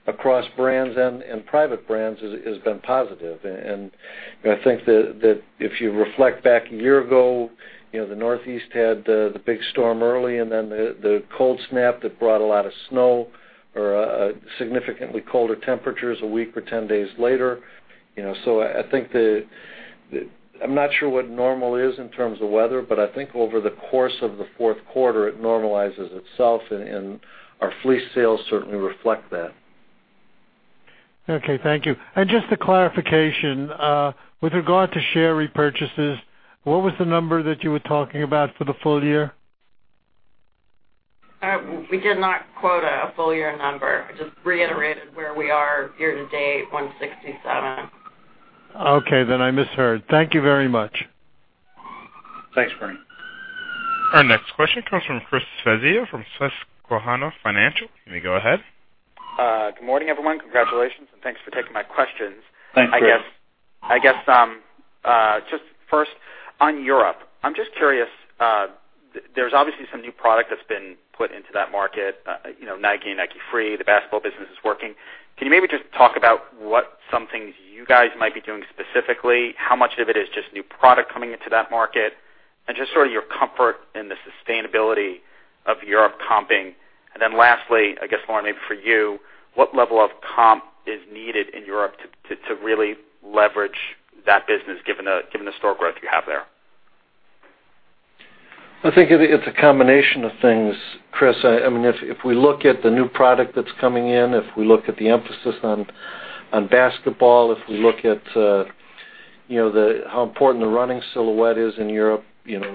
across brands and private brands has been positive. I think that if you reflect back a year ago, the Northeast had the big storm early and then the cold snap that brought a lot of snow or significantly colder temperatures a week or 10 days later. I think the I'm not sure what normal is in terms of weather, but I think over the course of the fourth quarter, it normalizes itself, and our fleece sales certainly reflect that. Okay, thank you. Just a clarification. With regard to share repurchases, what was the number that you were talking about for the full year? We did not quote a full-year number. I just reiterated where we are year to date, 167. Okay. I misheard. Thank you very much. Thanks, Bernie. Our next question comes from Chris Svezia from Susquehanna Financial. You may go ahead. Good morning, everyone. Congratulations, thanks for taking my questions. Thanks, Chris. I guess, just first on Europe. I'm just curious, there's obviously some new product that's been put into that market, Nike Free, the basketball business is working. Can you maybe just talk about what some things you guys might be doing specifically? How much of it is just new product coming into that market? Just sort of your comfort in the sustainability of Europe comping. Lastly, I guess, Lauren, maybe for you, what level of comp is needed in Europe to really leverage that business, given the store growth you have there? I think it's a combination of things, Chris. If we look at the new product that's coming in, if we look at the emphasis on basketball, if we look at how important the running silhouette is in Europe,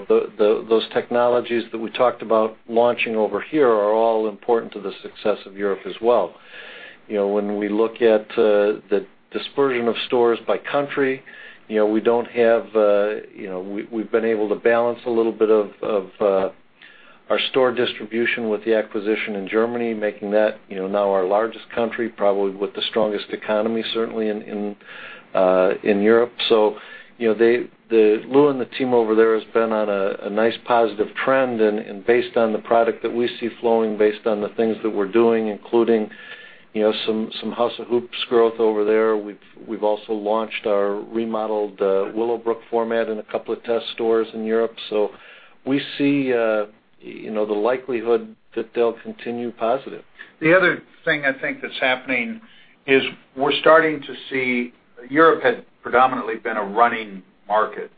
those technologies that we talked about launching over here are all important to the success of Europe as well. When we look at the dispersion of stores by country, we've been able to balance a little bit of our store distribution with the acquisition in Germany, making that now our largest country, probably with the strongest economy, certainly in Europe. Lew and the team over there has been on a nice positive trend, and based on the product that we see flowing, based on the things that we're doing, including some House of Hoops growth over there. We've also launched our remodeled Willowbrook format in a couple of test stores in Europe. We see the likelihood that they'll continue positive. The other thing I think that's happening is Europe had predominantly been a running market,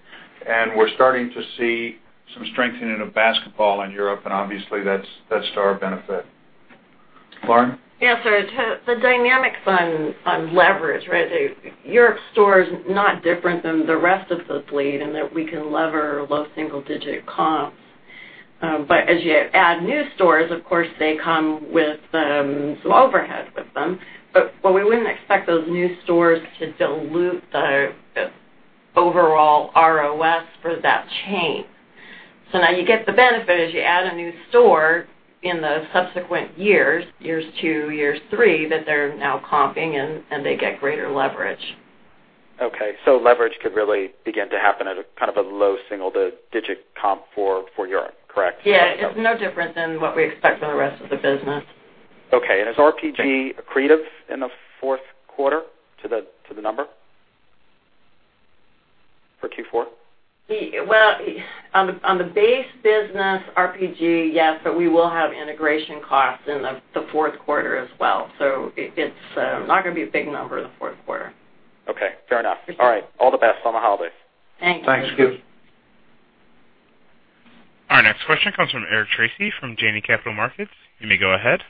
and we're starting to see some strengthening of basketball in Europe, and obviously, that's to our benefit. Lauren? Yes, sir. The dynamics on leverage, right? Europe store is not different than the rest of the fleet in that we can lever low single-digit comps. As you add new stores, of course, they come with some overhead with them. We wouldn't expect those new stores to dilute the overall ROS for that chain. Now you get the benefit as you add a new store in the subsequent years two, years three, that they're now comping and they get greater leverage. Okay. Leverage could really begin to happen at a kind of a low single-digit comp for Europe, correct? Yeah. It's no different than what we expect for the rest of the business. Okay. Is RPG accretive in the fourth quarter to the number for Q4? Well, on the base business, RPG, yes. We will have integration costs in the fourth quarter as well. It's not going to be a big number in the fourth quarter. Okay. Fair enough. All right. All the best on the holidays. Thanks. Thanks. Our next question comes from Eric Tracy from Janney Capital Markets. You may go ahead.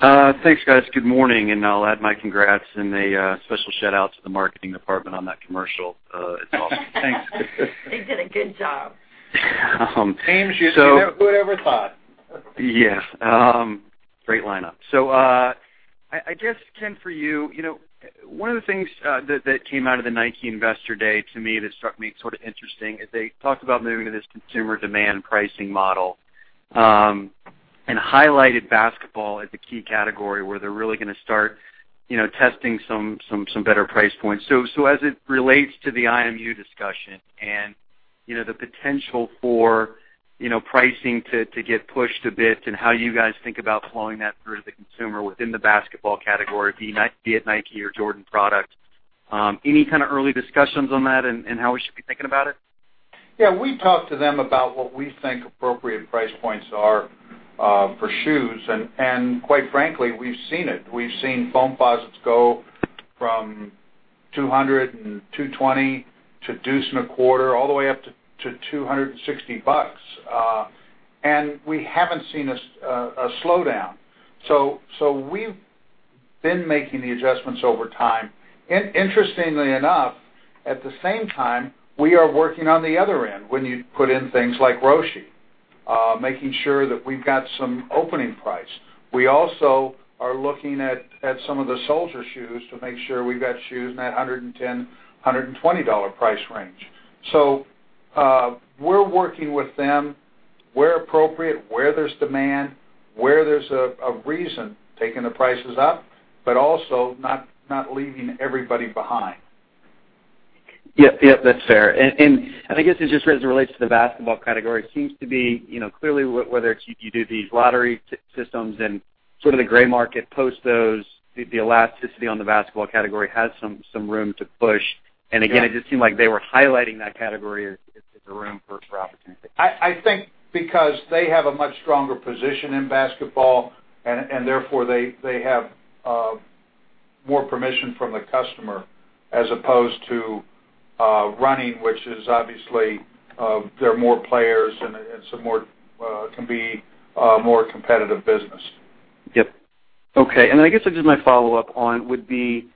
Thanks, guys. Good morning, and I'll add my congrats and a special shout-out to the marketing department on that commercial. It's awesome. Thanks. They did a good job. Who would ever thought? Yeah. Great lineup. I guess, Ken, for you, one of the things that came out of the Nike Investor Day to me that struck me sort of interesting is they talked about moving to this consumer demand pricing model, and highlighted basketball as a key category where they're really going to start testing some better price points. As it relates to the IMU discussion and the potential for pricing to get pushed a bit and how you guys think about flowing that through to the consumer within the basketball category, be it Nike or Jordan product, any kind of early discussions on that and how we should be thinking about it? Yeah. We talked to them about what we think appropriate price points are for shoes. Quite frankly, we've seen it. We've seen Foamposites go from $200 and $220 to $225, all the way up to $260. We haven't seen a slowdown. We've been making the adjustments over time. Interestingly enough, at the same time, we are working on the other end when you put in things like Roshe, making sure that we've got some opening price. We also are looking at some of the Soldier shoes to make sure we've got shoes in that $110, $120 price range. We're working with them where appropriate, where there's demand, where there's a reason, taking the prices up, but also not leaving everybody behind. Yep. That's fair. I guess just as it relates to the basketball category, seems to be clearly whether you do these lottery systems and sort of the gray market post those, the elasticity on the basketball category has some room to push. Yeah. Again, it just seemed like they were highlighting that category as a room for opportunity. I think because they have a much stronger position in basketball. Therefore, they have more permission from the customer as opposed to running, which is obviously, there are more players and can be a more competitive business. Yep. Okay. I guess just my follow-up on would be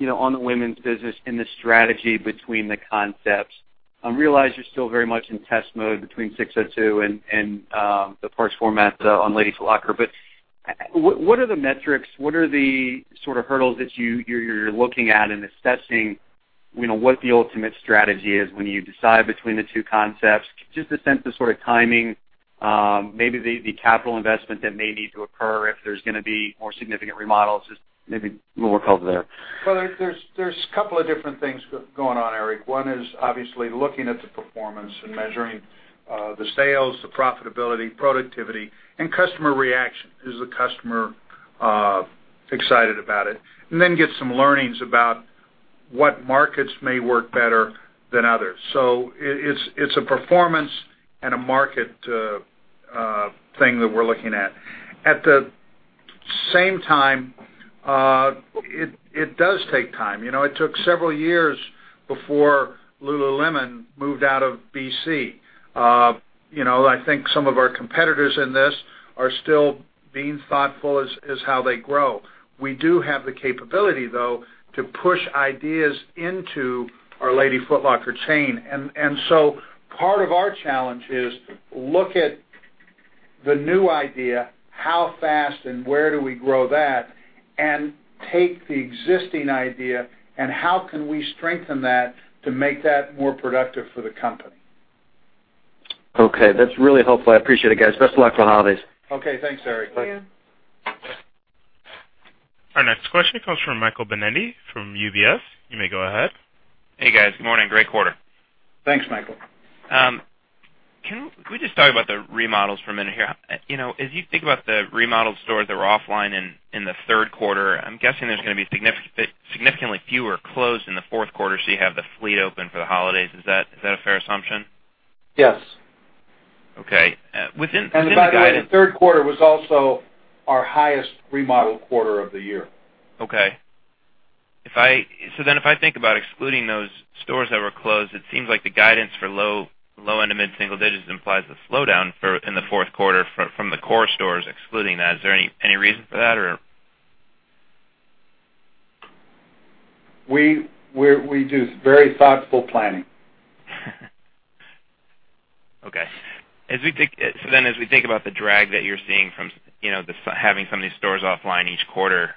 on the women's business and the strategy between the concepts. I realize you're still very much in test mode between SIX:02 and the first format on Lady Foot Locker, what are the metrics? What are the sort of hurdles that you're looking at in assessing what the ultimate strategy is when you decide between the two concepts? Just a sense of sort of timing, maybe the capital investment that may need to occur if there's going to be more significant remodels. Just maybe a little more color there. Well, there's couple of different things going on, Eric. One is obviously looking at the performance and measuring the sales, the profitability, productivity, and customer reaction. Is the customer excited about it? Then get some learnings about what markets may work better than others. It's a performance and a market thing that we're looking at. At the same time, it does take time. It took several years before Lululemon moved out of B.C. I think some of our competitors in this are still being thoughtful as how they grow. We do have the capability, though, to push ideas into our Lady Foot Locker chain. Part of our challenge is look at the new idea, how fast and where do we grow that, and take the existing idea, and how can we strengthen that to make that more productive for the company. Okay. That's really helpful. I appreciate it, guys. Best of luck for the holidays. Okay. Thanks, Eric. Bye. Our next question comes from Michael Binetti from UBS. You may go ahead. Hey, guys. Good morning. Great quarter. Thanks, Michael. Can we just talk about the remodels for a minute here? As you think about the remodeled stores that were offline in the third quarter, I am guessing there is going to be significantly fewer closed in the fourth quarter, so you have the fleet open for the holidays. Is that a fair assumption? Yes. Okay. By the way, the third quarter was also our highest remodeled quarter of the year. Okay. If I think about excluding those stores that were closed, it seems like the guidance for low end to mid single digits implies a slowdown in the fourth quarter from the core stores excluding that. Is there any reason for that, or? We do very thoughtful planning. Okay. As we think about the drag that you're seeing from having some of these stores offline each quarter,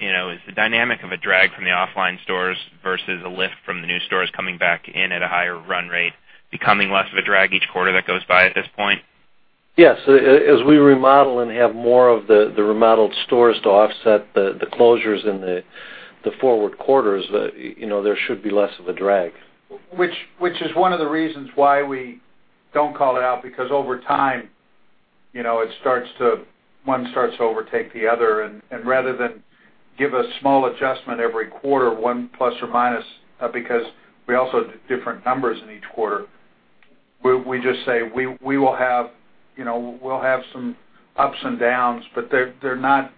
is the dynamic of a drag from the offline stores versus a lift from the new stores coming back in at a higher run rate becoming less of a drag each quarter that goes by at this point? Yes. As we remodel and have more of the remodeled stores to offset the closures in the forward quarters, there should be less of a drag. Which is one of the reasons why we don't call it out, because over time, one starts to overtake the other. Rather than give a small adjustment every quarter, one plus or minus, because we also did different numbers in each quarter, we just say, we'll have some ups and downs, but they're not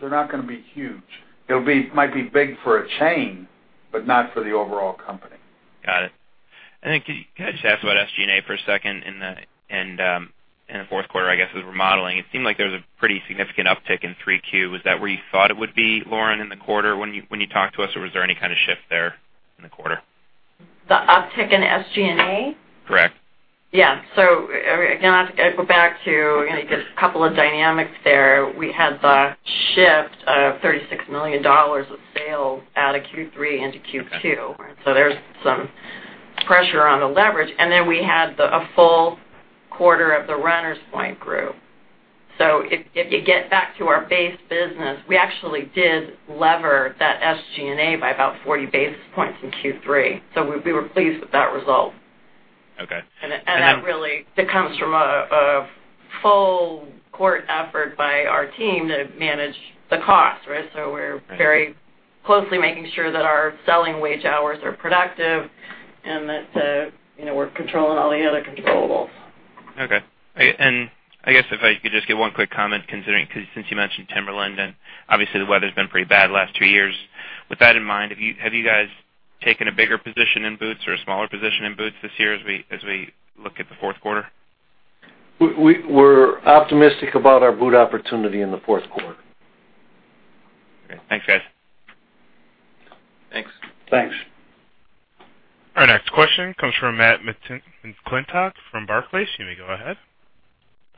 going to be huge. It might be big for a chain, but not for the overall company. Got it. Can I just ask about SG&A for a second in the fourth quarter, I guess, with remodeling. It seemed like there was a pretty significant uptick in 3Q. Was that where you thought it would be, Lauren, in the quarter when you talked to us, or was there any kind of shift there in the quarter? The uptick in SG&A? Correct. Yeah. Again, I have to go back to, you get a couple of dynamics there. We had the shift of $36 million of sales out of Q3 into Q2. There's some pressure on the leverage. Then we had a full quarter of the Runners Point Group. If you get back to our base business, we actually did lever that SG&A by about 40 basis points in Q3. We were pleased with that result. Okay. That really comes from a full-court effort by our team to manage the cost, right? We're very closely making sure that our selling wage hours are productive and that we're controlling all the other controllables. Okay. I guess if I could just get one quick comment considering, because since you mentioned Timberland, and obviously the weather's been pretty bad the last two years. With that in mind, have you guys taken a bigger position in boots or a smaller position in boots this year as we look at the fourth quarter? We're optimistic about our boot opportunity in the fourth quarter. Okay. Thanks, guys. Thanks. Thanks. Our next question comes from Matt McClintock from Barclays. You may go ahead.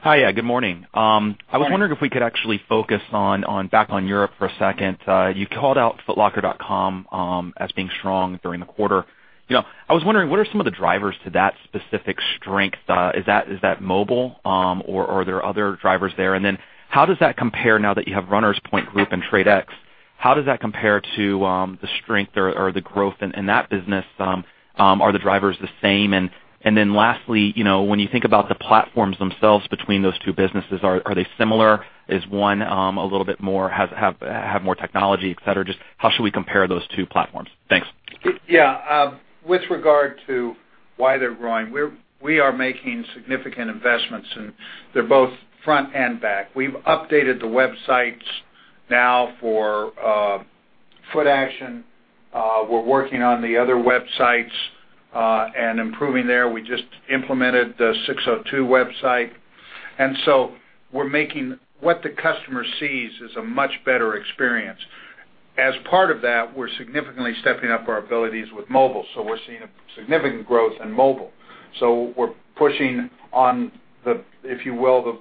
Hi. Good morning. Morning. I was wondering if we could actually focus back on Europe for a second. You called out footlocker.com as being strong during the quarter. I was wondering, what are some of the drivers to that specific strength? Is that mobile or are there other drivers there? Then how does that compare now that you have Runners Point Group and Tredex, how does that compare to the strength or the growth in that business? Are the drivers the same? Then lastly, when you think about the platforms themselves between those two businesses, are they similar? Is one a little bit more, have more technology, et cetera? Just how should we compare those two platforms? Thanks. Yeah. With regard to Why they're growing. We are making significant investments and they're both front and back. We've updated the websites now for Footaction. We're working on the other websites, and improving there. We just implemented the SIX:02 website, and so what the customer sees is a much better experience. As part of that, we're significantly stepping up our abilities with mobile, so we're seeing a significant growth in mobile. We're pushing on the, if you will,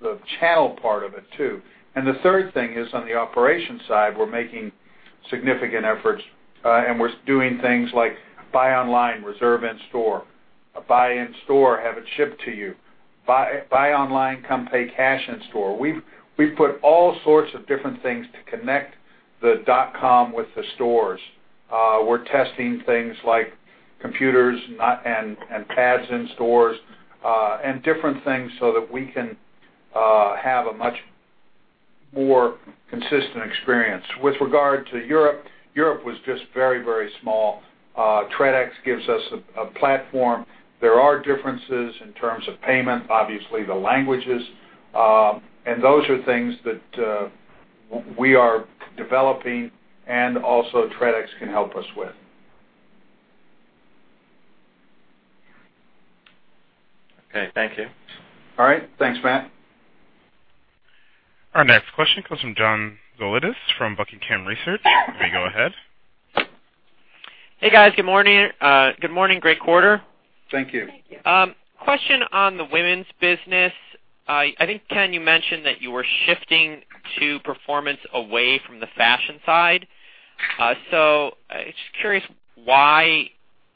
the channel part of it, too. The third thing is on the operation side, we're making significant efforts, and we're doing things like buy online, reserve in-store, buy in-store, have it shipped to you. Buy online, come pay cash in store. We've put all sorts of different things to connect the dotcom with the stores. We're testing things like computers and pads in stores, and different things so that we can have a much more consistent experience. With regard to Europe was just very small. Tredex gives us a platform. There are differences in terms of payment, obviously the languages, and those are things that we are developing and also Tredex can help us with. Okay, thank you. All right. Thanks, Matt. Our next question comes from John Zolidis from Buckingham Research. You may go ahead. Hey, guys. Good morning. Great quarter. Thank you. Thank you. Question on the women's business. I think, Ken, you mentioned that you were shifting to performance away from the fashion side. Just curious why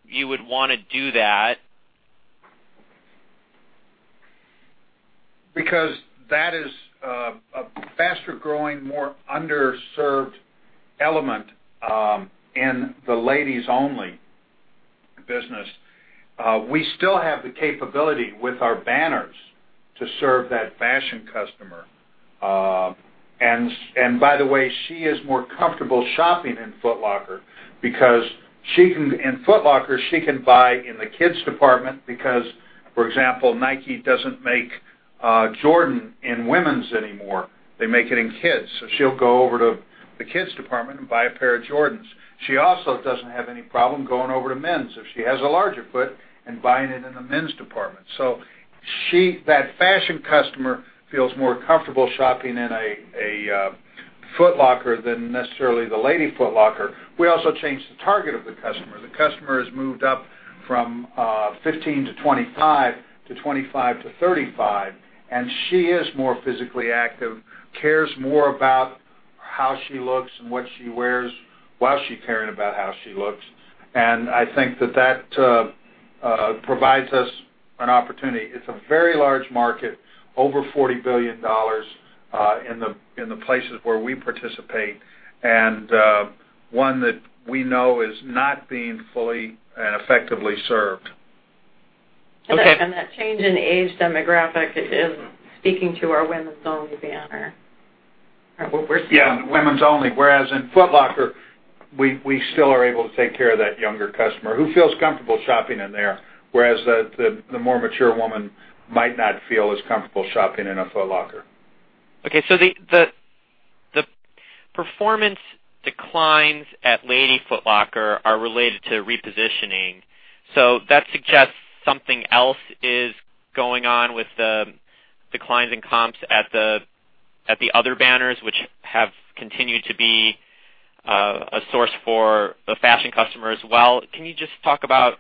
you would want to do that. That is a faster-growing, more underserved element in the Ladies Only business. We still have the capability with our banners to serve that fashion customer. By the way, she is more comfortable shopping in Foot Locker because in Foot Locker, she can buy in the kids' department because, for example, Nike doesn't make Jordan in women's anymore. They make it in kids'. She'll go over to the kids' department and buy a pair of Jordans. She also doesn't have any problem going over to men's if she has a larger foot and buying it in the men's department. That fashion customer feels more comfortable shopping in a Foot Locker than necessarily the Lady Foot Locker. We also changed the target of the customer. The customer has moved up from 15 to 25 to 25 to 35, and she is more physically active, cares more about how she looks and what she wears while she caring about how she looks. I think that provides us an opportunity. It's a very large market, over $40 billion in the places where we participate and one that we know is not being fully and effectively served. Okay. That change in age demographic is speaking to our Women's Only banner. Women's Only. Whereas in Foot Locker, we still are able to take care of that younger customer who feels comfortable shopping in there, whereas the more mature woman might not feel as comfortable shopping in a Foot Locker. The performance declines at Lady Foot Locker are related to repositioning. That suggests something else is going on with the declines in comps at the other banners, which have continued to be a source for the fashion customer as well. Can you just talk about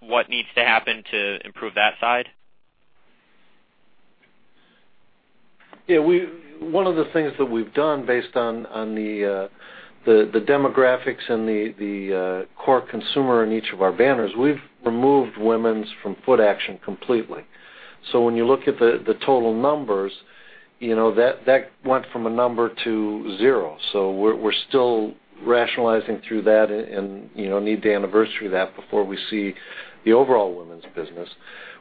what needs to happen to improve that side? One of the things that we've done based on the demographics and the core consumer in each of our banners, we've removed women's from Footaction completely. When you look at the total numbers, that went from a number to zero. We're still rationalizing through that and need to anniversary that before we see the overall women's business.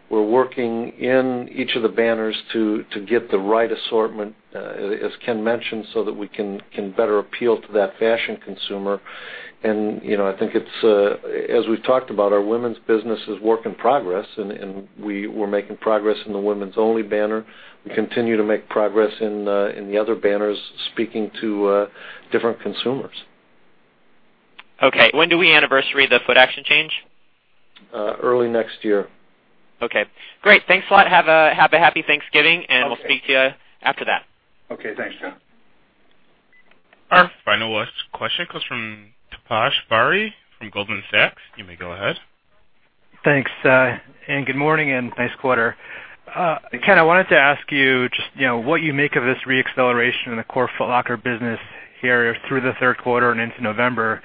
We're working in each of the banners to get the right assortment, as Ken mentioned, so that we can better appeal to that fashion consumer. I think as we've talked about, our women's business is work in progress, and we were making progress in the Women's Only banner. We continue to make progress in the other banners, speaking to different consumers. Okay. When do we anniversary the Footaction change? Early next year. Okay. Great. Thanks a lot. Have a happy Thanksgiving and we'll speak to you after that. Okay. Thanks, John. Our final question comes from Taposh Bari from Goldman Sachs. You may go ahead. Thanks. Good morning and nice quarter. Ken, I wanted to ask you just what you make of this re-acceleration in the core Foot Locker business here through the third quarter and into November.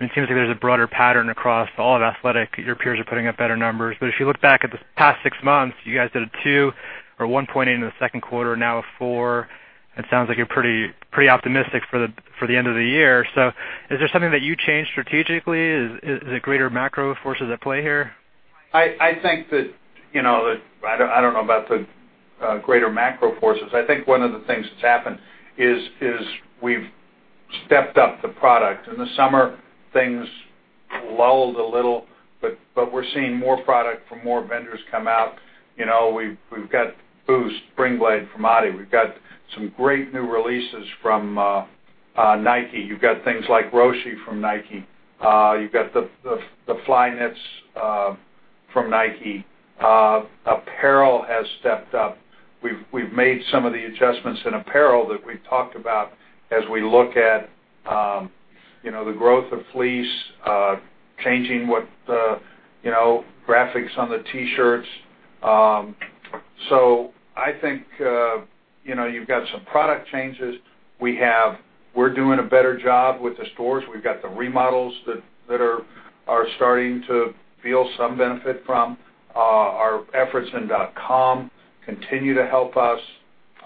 It seems like there's a broader pattern across all of athletic. Your peers are putting up better numbers. If you look back at the past six months, you guys did a two or one point into the second quarter, now a four. It sounds like you're pretty optimistic for the end of the year. Is there something that you changed strategically? Is it greater macro forces at play here? I don't know about the greater macro forces. I think one of the things that's happened is we've stepped up the product. In the summer, things lulled a little, but we're seeing more product from more vendors come out. We've got Boost Springblade from adi. We've got some great new releases from Nike. You've got things like Roshe from Nike. You've got the Flyknits from Nike. Apparel has stepped up. We've made some of the adjustments in apparel that we've talked about as we look at the growth of fleece, changing what the graphics on the T-shirts. I think, you've got some product changes. We're doing a better job with the stores. We've got the remodels that are starting to feel some benefit from. Our efforts in .com continue to help us.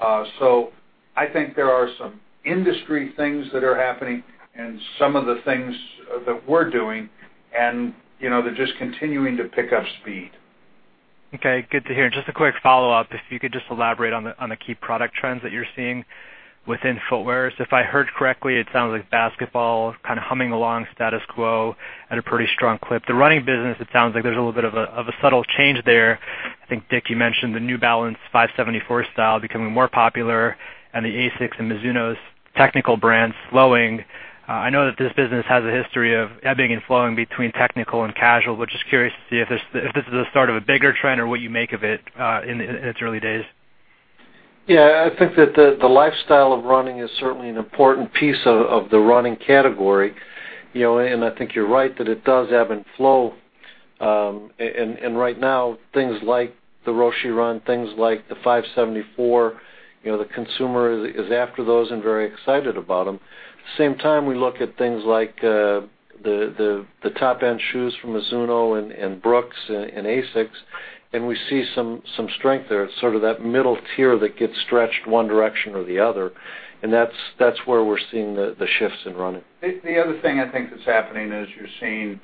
I think there are some industry things that are happening and some of the things that we're doing and they're just continuing to pick up speed. Okay, good to hear. Just a quick follow-up, if you could just elaborate on the key product trends that you're seeing within footwear. If I heard correctly, it sounds like basketball is kind of humming along status quo at a pretty strong clip. The running business, it sounds like there's a little bit of a subtle change there. I think, Dick, you mentioned the New Balance 574 style becoming more popular and the ASICS and Mizuno's technical brands slowing. I know that this business has a history of ebbing and flowing between technical and casual. We're just curious to see if this is the start of a bigger trend or what you make of it in its early days. Yeah, I think that the lifestyle of running is certainly an important piece of the running category. I think you're right that it does ebb and flow. Right now, things like the Roshe Run, things like the 574, the consumer is after those and very excited about them. At the same time, we look at things like the top-end shoes from Mizuno and Brooks and ASICS, and we see some strength there. It's sort of that middle tier that gets stretched one direction or the other, and that's where we're seeing the shifts in running. The other thing I think that's happening is you're seeing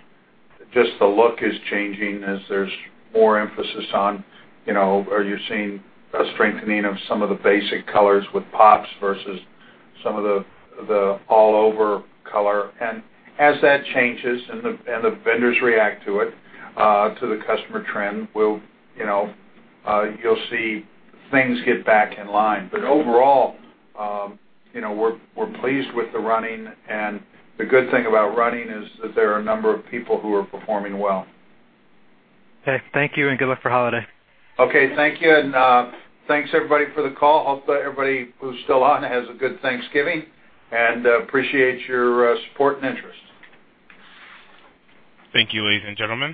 just the look is changing as there's more emphasis on, or you're seeing a strengthening of some of the basic colors with pops versus some of the all-over color. As that changes and the vendors react to it, to the customer trend, you'll see things get back in line. Overall, we're pleased with the running and the good thing about running is that there are a number of people who are performing well. Okay. Thank you and good luck for holiday. Okay. Thank you and thanks everybody for the call. Hope that everybody who's still on has a good Thanksgiving and appreciate your support and interest. Thank you, ladies and gentlemen.